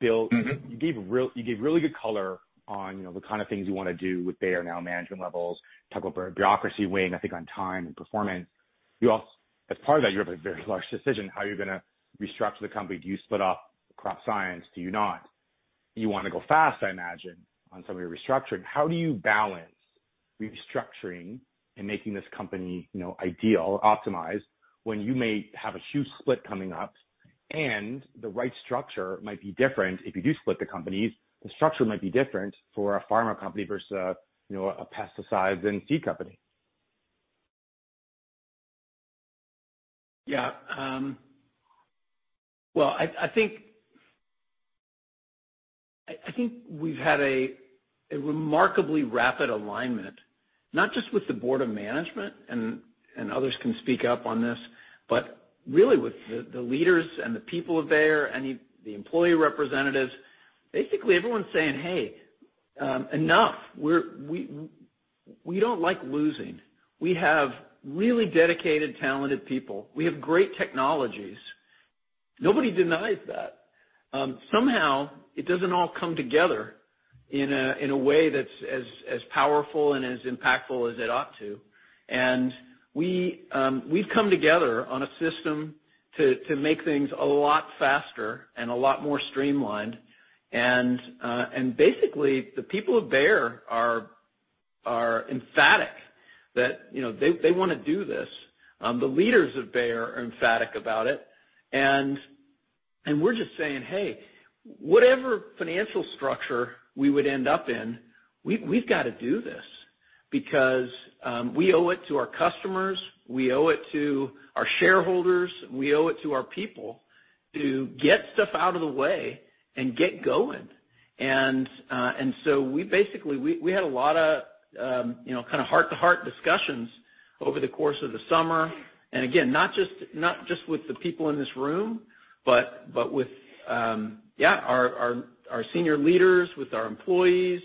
Bill- Mm-hmm. You gave really good color on, you know, the kind of things you wanna do with Bayer now management levels, talked about bureaucracy weighing, I think, on time and performance. As part of that, you have a very large decision, how you're gonna restructure the company. Do you split off crop science? Do you not? You wanna go fast, I imagine, on some of your restructuring. How do you balance restructuring and making this company, you know, ideal or optimized, when you may have a huge split coming up and the right structure might be different if you do split the companies, the structure might be different for a pharma company versus, uh, you know, a pesticides and seed company? Yeah, well, I think we've had a remarkably rapid alignment, not just with the board of management, and others can speak up on this, but really with the leaders and the people of Bayer and the employee representatives. Basically, everyone's saying: Hey, enough. We don't like losing. We have really dedicated, talented people. We have great technologies. Nobody denies that. Somehow, it doesn't all come together in a way that's as powerful and as impactful as it ought to. And we, we've come together on a system to make things a lot faster and a lot more streamlined. And basically, the people of Bayer are emphatic that, you know, they wanna do this. The leaders of Bayer are emphatic about it, and we're just saying: Hey, whatever financial structure we would end up in, we've gotta do this because we owe it to our customers, we owe it to our shareholders, we owe it to our people to get stuff out of the way and get going. And so we basically, we had a lot of, you know, kind of heart-to-heart discussions over the course of the summer, and again, not just, not just with the people in this room, but with our senior leaders, with our employees,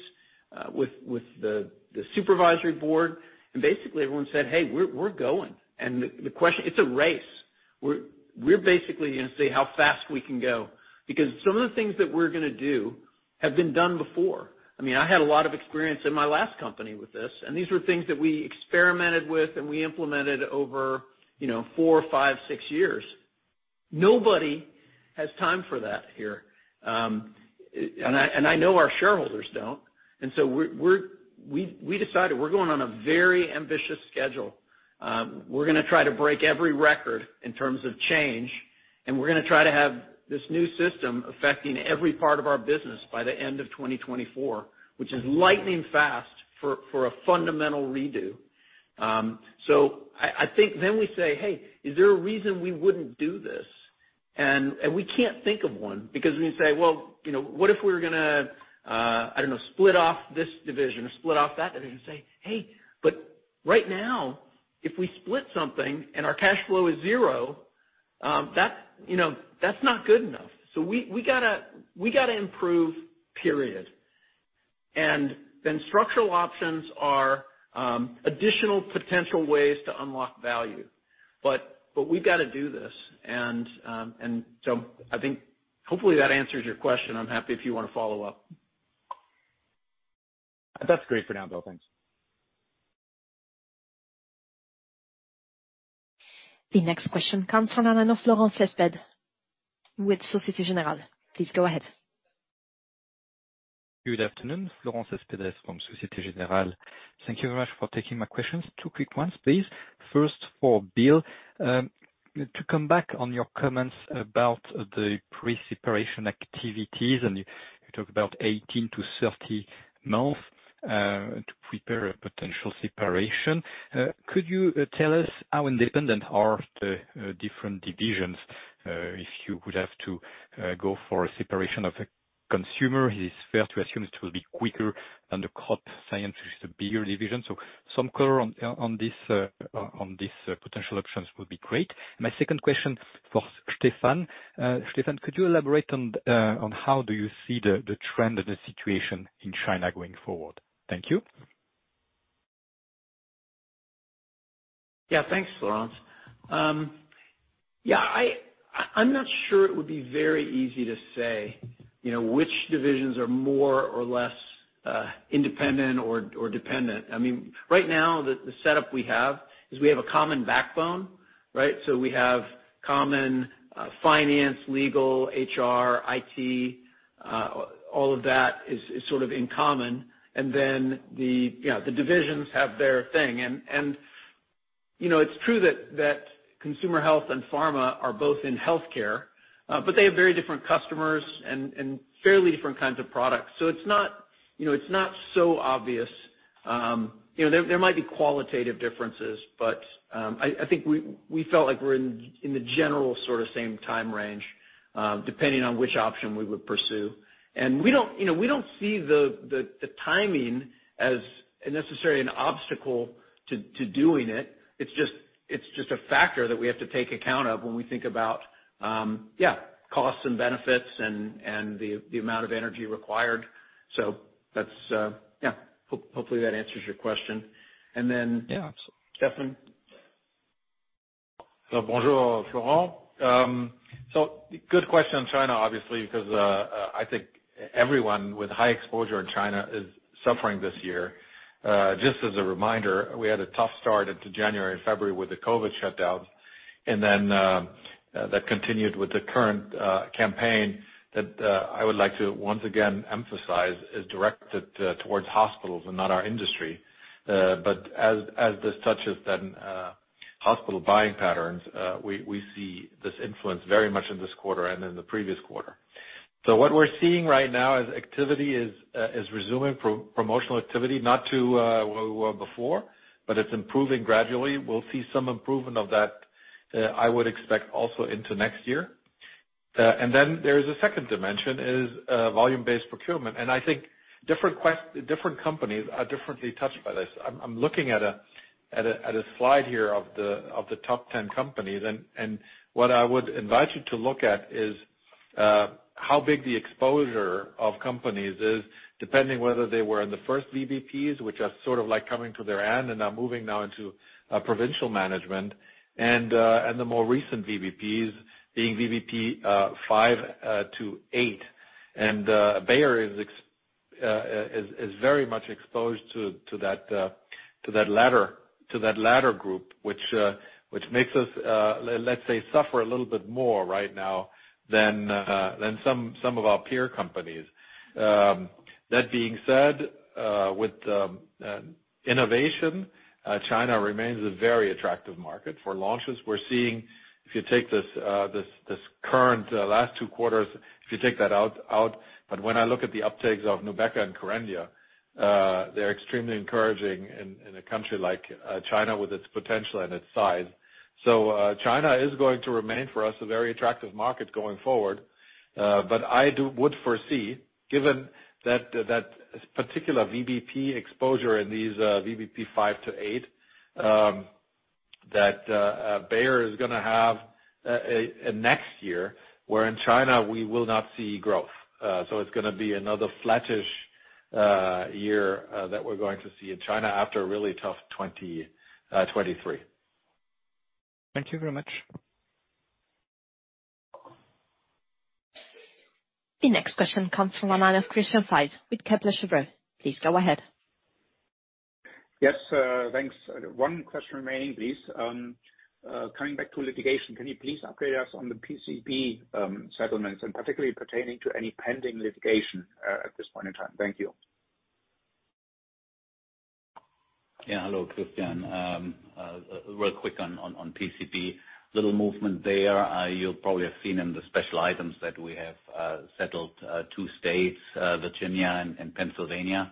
with the supervisory board, and basically everyone said: Hey, we're going. And the question, it's a race. We're basically gonna see how fast we can go, because some of the things that we're gonna do have been done before. I mean, I had a lot of experience in my last company with this, and these were things that we experimented with, and we implemented over, you know, four, five, six years. Nobody has time for that here. And I know our shareholders don't. And so we decided we're going on a very ambitious schedule. We're gonna try to break every record in terms of change, and we're gonna try to have this new system affecting every part of our business by the end of 2024, which is lightning fast for a fundamental redo. So I think then we say: Hey, is there a reason we wouldn't do this?... We can't think of one because we say, well, you know, what if we're gonna, I don't know, split off this division or split off that division? Say, "Hey, but right now, if we split something and our cash flow is zero, that's, you know, that's not good enough." So we gotta, we gotta improve, period. And then structural options are additional potential ways to unlock value. But we've gotta do this. And so I think hopefully that answers your question. I'm happy if you wanna follow up. That's great for now, Bill. Thanks. The next question comes from the line of Florent Cespedes with Société Générale. Please go ahead. Good afternoon, Florent Cespedes from Société Générale. Thank you very much for taking my questions. Two quick ones, please. First, for Bill. To come back on your comments about the pre-separation activities, and you talked about 18-30 months to prepare a potential separation. Could you tell us how independent are the different divisions? If you would have to go for a separation of a consumer, it is fair to assume it will be quicker than the Crop Science, which is a bigger division. So some color on this potential options would be great. My second question for Stefan. Stefan, could you elaborate on how do you see the trend of the situation in China going forward? Thank you. Yeah, thanks, Florent. Yeah, I'm not sure it would be very easy to say, you know, which divisions are more or less independent or dependent. I mean, right now, the setup we have is we have a common backbone, right? So we have common finance, legal, HR, IT, all of that is sort of in common. And then the, you know, the divisions have their thing. And, you know, it's true that consumer health and pharma are both in healthcare, but they have very different customers and fairly different kinds of products. So it's not, you know, it's not so obvious. You know, there might be qualitative differences, but I think we felt like we're in the general sort of same time range, depending on which option we would pursue. And we don't, you know, we don't see the timing as necessarily an obstacle to doing it. It's just a factor that we have to take account of when we think about, yeah, costs and benefits and the amount of energy required. So that's, yeah, hopefully that answers your question. And then- Yeah. Stefan? So bonjour, Florent. So good question on China, obviously, because I think everyone with high exposure in China is suffering this year. Just as a reminder, we had a tough start into January and February with the COVID shutdown, and then that continued with the current campaign that I would like to once again emphasize is directed towards hospitals and not our industry. But as this touches then hospital buying patterns, we see this influence very much in this quarter and in the previous quarter. So what we're seeing right now is activity is resuming promotional activity, not to where we were before, but it's improving gradually. We'll see some improvement of that, I would expect also into next year. And then there is a second dimension, is, volume-based procurement, and I think different companies are differently touched by this. I'm looking at a slide here of the top 10 companies, and what I would invite you to look at is how big the exposure of companies is, depending whether they were in the first VBPs, which are sort of like coming to their end and are moving now into provincial management, and the more recent VBPs, being VBP 5-8. And Bayer is very much exposed to that latter group, which makes us, let's say, suffer a little bit more right now than some of our peer companies. That being said, with innovation, China remains a very attractive market for launches. We're seeing if you take this current last two quarters, if you take that out, but when I look at the uptakes of Nubeqa and Corvidia, they're extremely encouraging in a country like China with its potential and its size. So, China is going to remain, for us, a very attractive market going forward. But I would foresee, given that particular VBP exposure in these VBP 5-8, that Bayer is gonna have a next year, where in China, we will not see growth. So it's gonna be another flattish year that we're going to see in China after a really tough 2023. Thank you very much. The next question comes from the line of Christian Faitz with Kepler Cheuvreux. Please go ahead. Yes, thanks. One question remaining, please. Coming back to litigation, can you please update us on the PCB settlements, and particularly pertaining to any pending litigation at this point in time? Thank you. Yeah, hello, Christian. Real quick on PCB. Little movement there. You probably have seen in the special items that we have settled two states, Virginia and Pennsylvania.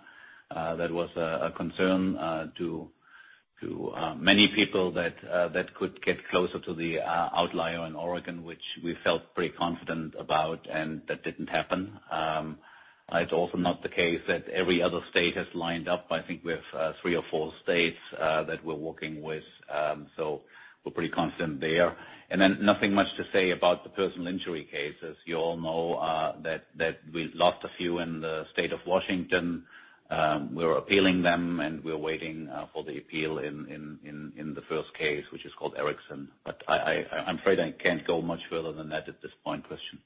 That was a concern to many people that that could get closer to the outlier in Oregon, which we felt pretty confident about, and that didn't happen. It's also not the case that every other state has lined up. I think we have three or four states that we're working with. So we're pretty confident there. And then nothing much to say about the personal injury cases. You all know that we lost a few in the state of Washington. We're appealing them, and we're waiting for the appeal in the first case, which is called Erickson. But I'm afraid I can't go much further than that at this point, Christian.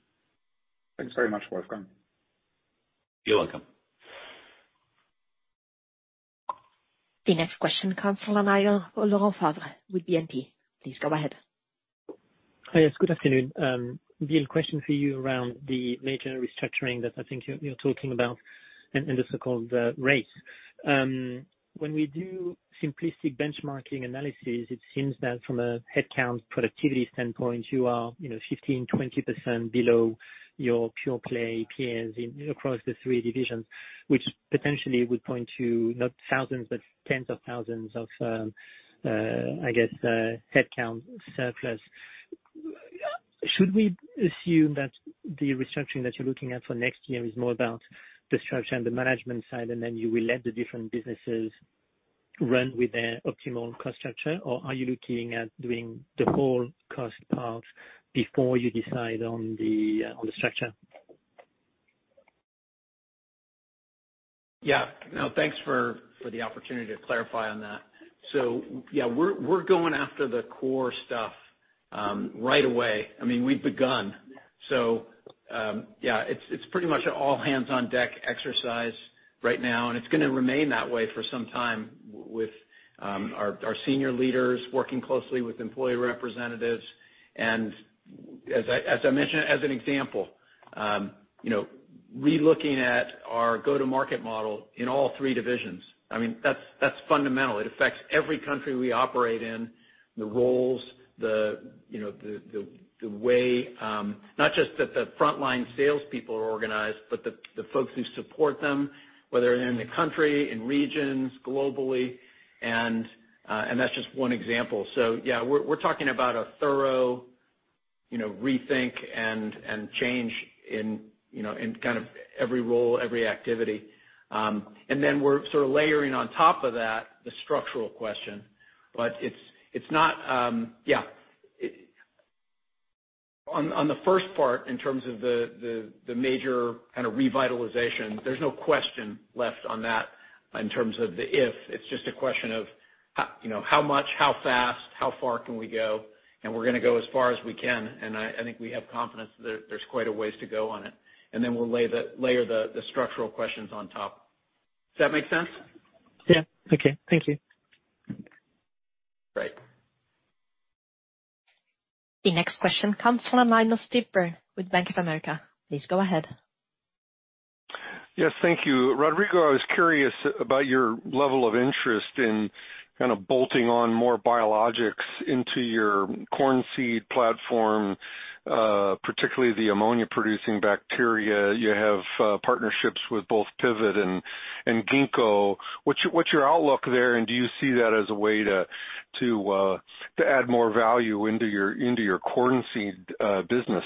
Thanks very much, Wolfgang. You're welcome. The next question comes from the line of Laurent Favre with BNP. Please go ahead. Hi, yes. Good afternoon. Bill, question for you around the major restructuring that I think you're talking about and the so-called DSO. When we do simplistic benchmarking analysis, it seems that from a headcount productivity standpoint, you are, you know, 15%-20% below your pure play peers across the three divisions, which potentially would point to not thousands, but tens of thousands of, I guess, headcount surplus. Should we assume that the restructuring that you're looking at for next year is more about the structure and the management side, and then you will let the different businesses run with their optimal cost structure? Or are you looking at doing the whole cost part before you decide on the structure? Yeah. No, thanks for the opportunity to clarify on that. So, yeah, we're going after the core stuff right away. I mean, we've begun. So, yeah, it's pretty much an all-hands-on-deck exercise right now, and it's gonna remain that way for some time with our senior leaders working closely with employee representatives. And as I mentioned, as an example, you know, relooking at our go-to-market model in all three divisions, I mean, that's fundamental. It affects every country we operate in, the roles, the way, not just that the frontline salespeople are organized, but the folks who support them, whether they're in the country, in regions, globally, and that's just one example. So yeah, we're talking about a thorough, you know, rethink and change in, you know, in kind of every role, every activity. And then we're sort of layering on top of that, the structural question. But it's not... Yeah. On the first part, in terms of the major kinda revitalization, there's no question left on that in terms of the if. It's just a question of how, you know, how much, how fast, how far can we go? And we're gonna go as far as we can, and I think we have confidence that there's quite a ways to go on it. And then we'll layer the structural questions on top. Does that make sense? Yeah. Okay. Thank you. Great. The next question comes from the line of Steve Byrne with Bank of America. Please go ahead. Yes, thank you. Rodrigo, I was curious about your level of interest in kind of bolting on more biologics into your corn seed platform, particularly the ammonia-producing bacteria. You have partnerships with both Pivot and Ginkgo. What's your outlook there, and do you see that as a way to add more value into your corn seed business?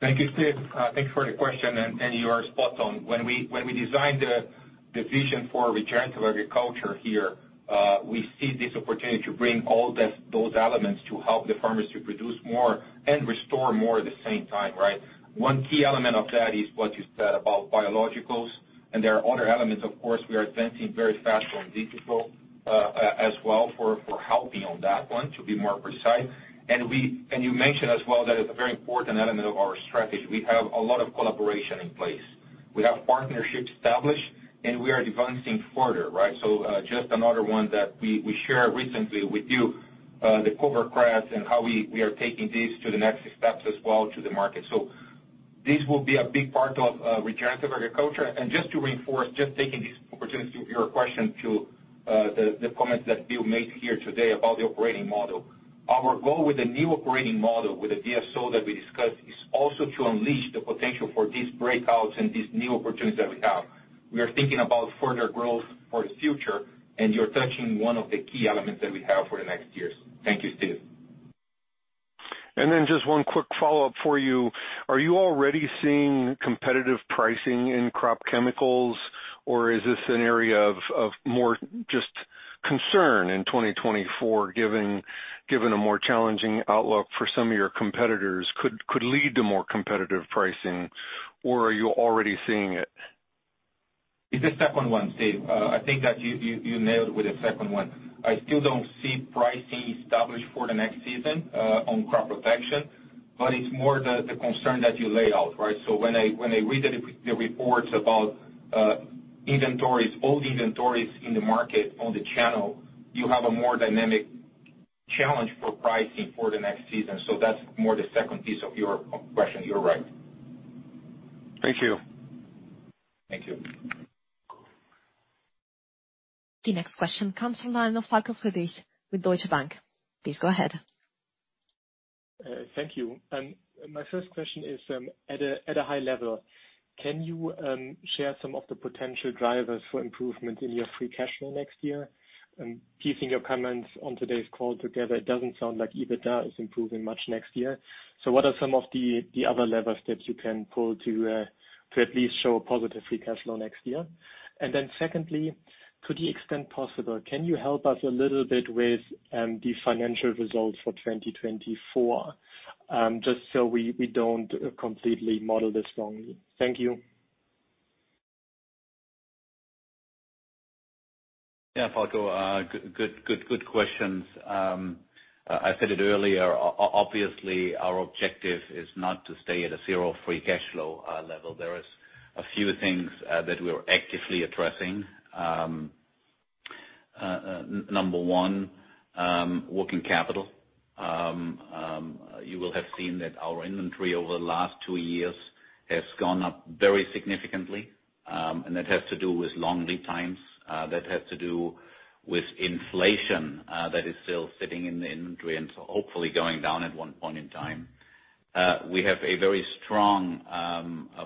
Thank you, Steve. Thank you for the question, and you are spot on. When we designed the vision for regenerative agriculture here, we see this opportunity to bring all those elements to help the farmers to produce more and restore more at the same time, right? One key element of that is what you said about biologicals, and there are other elements, of course. We are advancing very fast on digital as well, for helping on that one, to be more precise. And you mentioned as well, that is a very important element of our strategy. We have a lot of collaboration in place. We have partnerships established, and we are advancing further, right? So, just another one that we, we shared recently with you, the cover crops and how we, we are taking this to the next steps as well to the market. So this will be a big part of, regenerative agriculture. And just to reinforce, just taking this opportunity, your question to, the, the comments that Bill made here today about the operating model. Our goal with the new operating model, with the DSO that we discussed, is also to unleash the potential for these breakouts and these new opportunities that we have. We are thinking about further growth for the future, and you're touching one of the key elements that we have for the next years. Thank you, Steve. Then just one quick follow-up for you. Are you already seeing competitive pricing in crop chemicals, or is this an area of more just concern in 2024, given a more challenging outlook for some of your competitors could lead to more competitive pricing, or are you already seeing it? It's the second one, Steve. I think that you nailed it with the second one. I still don't see pricing established for the next season on crop protection, but it's more the concern that you lay out, right? So when I read the reports about inventories, old inventories in the market, on the channel, you have a more dynamic challenge for pricing for the next season. So that's more the second piece of your question. You're right. Thank you. Thank you. The next question comes from the line of Falko Friedrichs with Deutsche Bank. Please go ahead. Thank you. My first question is, at a high level, can you share some of the potential drivers for improvement in your free cash flow next year? And piecing your comments on today's call together, it doesn't sound like EBITDA is improving much next year. So what are some of the other levers that you can pull to at least show a positive free cash flow next year? And then secondly, to the extent possible, can you help us a little bit with the financial results for 2024? Just so we don't completely model this wrongly. Thank you. Yeah, Falko, good, good, good questions. I said it earlier, obviously, our objective is not to stay at a zero free cash flow level. There is a few things that we're actively addressing. Number one, working capital. You will have seen that our inventory over the last two years has gone up very significantly, and that has to do with long lead times, that has to do with inflation, that is still sitting in the inventory and hopefully going down at one point in time. We have a very strong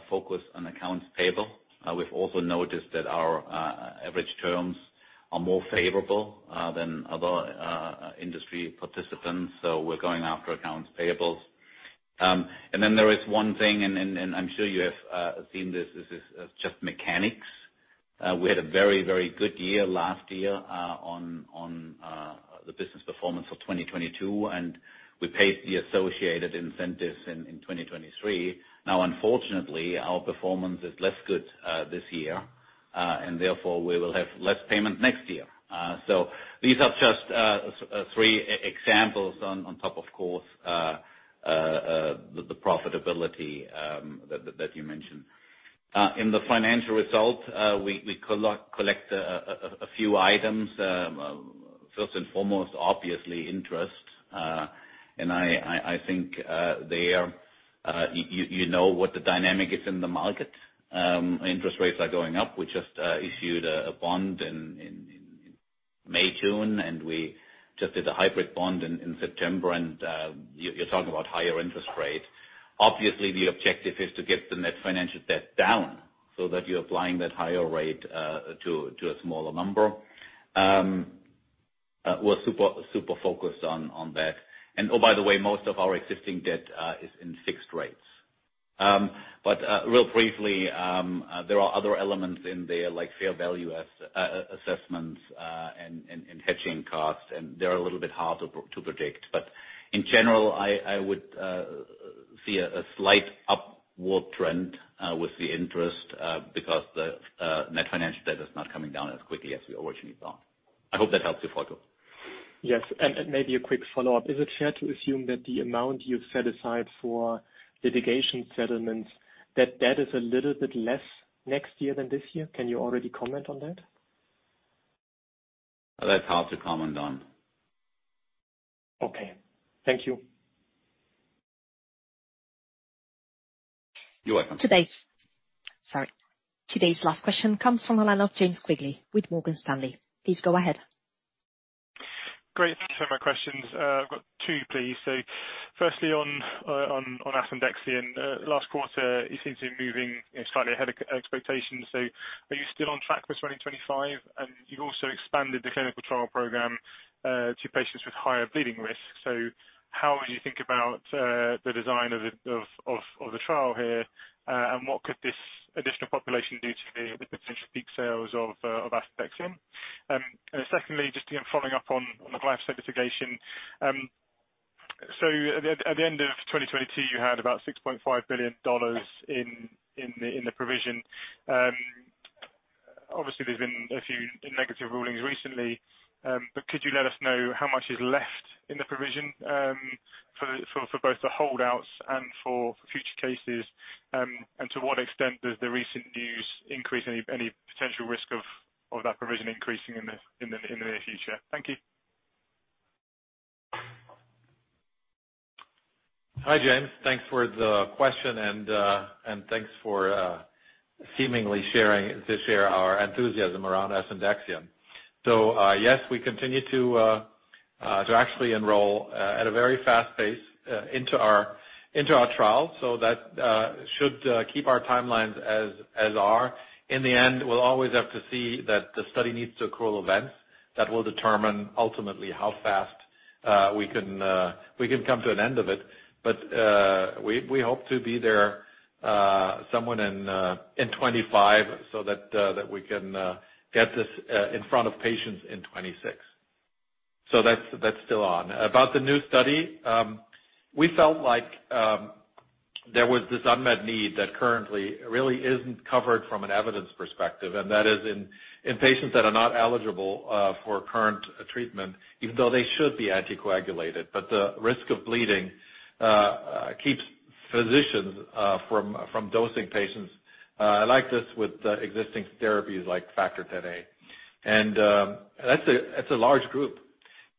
focus on accounts payable. We've also noticed that our average terms are more favorable than other industry participants, so we're going after accounts payables. And then there is one thing, and, and, and I'm sure you have seen this, this is just mechanics. We had a very, very good year last year on the business performance for 2022, and we paid the associated incentives in 2023. Now, unfortunately, our performance is less good this year, and therefore we will have less payment next year. So these are just three examples on top, of course, the profitability that you mentioned. In the financial result, we collect a few items. First and foremost, obviously, interest, and I think there you know what the dynamic is in the market. Interest rates are going up. We just issued a bond in May, June, and we just did a hybrid bond in September, and you're talking about higher interest rates. Obviously, the objective is to get the net financial debt down so that you're applying that higher rate to a smaller number. We're super, super focused on that. And, oh, by the way, most of our existing debt is in fixed rates. But real briefly, there are other elements in there, like fair value assessments and hedging costs, and they're a little bit hard to predict. But in general, I would see a slight upward trend with the interest because the net financial debt is not coming down as quickly as we originally thought.I hope that helps you, Falko. Yes, and maybe a quick follow-up: Is it fair to assume that the amount you've set aside for litigation settlements, that that is a little bit less next year than this year? Can you already comment on that? That's hard to comment on. Okay. Thank you. You're welcome. Sorry. Today's last question comes from the line of James Quigley with Morgan Stanley. Please go ahead. Great, thank you for my questions. I've got two, please. So firstly, on asundexian, last quarter, you seem to be moving slightly ahead of expectations. So are you still on track for 2025? And you've also expanded the clinical trial program to patients with higher bleeding risk. So how do you think about the design of the trial here? And what could this additional population do to the potential peak sales of asundexian? And secondly, just again, following up on the glyphosate litigation. So at the end of 2022, you had about $6.5 billion in the provision. Obviously, there's been a few negative rulings recently, but could you let us know how much is left in the provision for both the holdouts and for future cases? And to what extent does the recent news increase any potential risk of that provision increasing in the near future? Thank you. Hi, James. Thanks for the question, and, and thanks for seemingly sharing to share our enthusiasm around asundexian. So, yes, we continue to actually enroll at a very fast pace into our trial, so that should keep our timelines as are. In the end, we'll always have to see that the study needs to accrue events. That will determine ultimately how fast we can come to an end of it. But, we hope to be there somewhere in 2025 so that we can get this in front of patients in 2026. So that's still on. About the new study, we felt like, there was this unmet need that currently really isn't covered from an evidence perspective, and that is in patients that are not eligible for current treatment, even though they should be anticoagulated. But the risk of bleeding keeps physicians from dosing patients like this with the existing therapies like Factor Xa. And, that's a large group.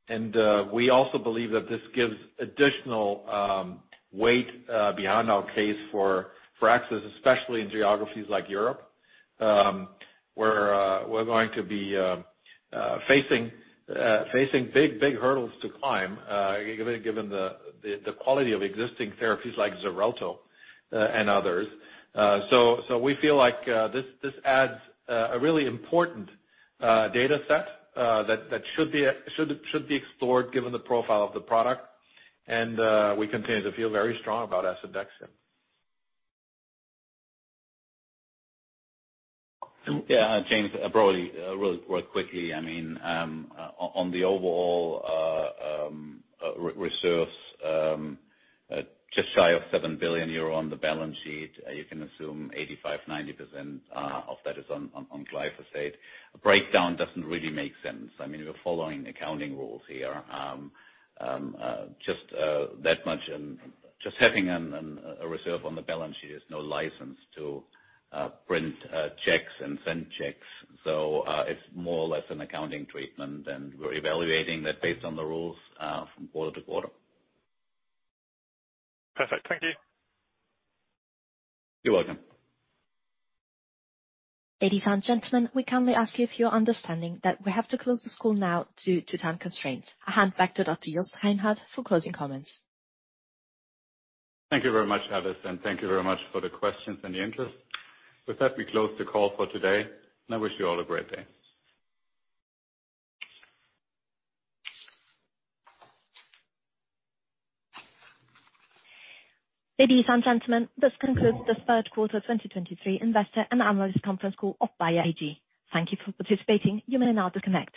And, we also believe that this gives additional weight beyond our case for access, especially in geographies like Europe, where we're going to be facing big hurdles to climb, given the quality of existing therapies like Xarelto, and others. We feel like this adds a really important data set that should be explored given the profile of the product. We continue to feel very strong about asundexian. Yeah, James, broadly, really quite quickly, I mean, on, on the overall, reserve, just shy of 7 billion euro on the balance sheet, you can assume 85%-90% of that is on, on glyphosate. A breakdown doesn't really make sense. I mean, we're following accounting rules here. Just, that much, just having a reserve on the balance sheet is no license to, print, checks and send checks. So, it's more or less an accounting treatment, and we're evaluating that based on the rules, from quarter to quarter. Perfect. Thank you. You're welcome. Ladies and gentlemen, we kindly ask you for your understanding that we have to close this call now due to time constraints. I hand back to Dr. Jost Reinhard for closing comments. Thank you very much, Alice, and thank you very much for the questions and the interest. With that, we close the call for today, and I wish you all a great day. Ladies and gentlemen, this concludes the third quarter of 2023 investor and analyst conference call of Bayer AG. Thank you for participating. You may now disconnect.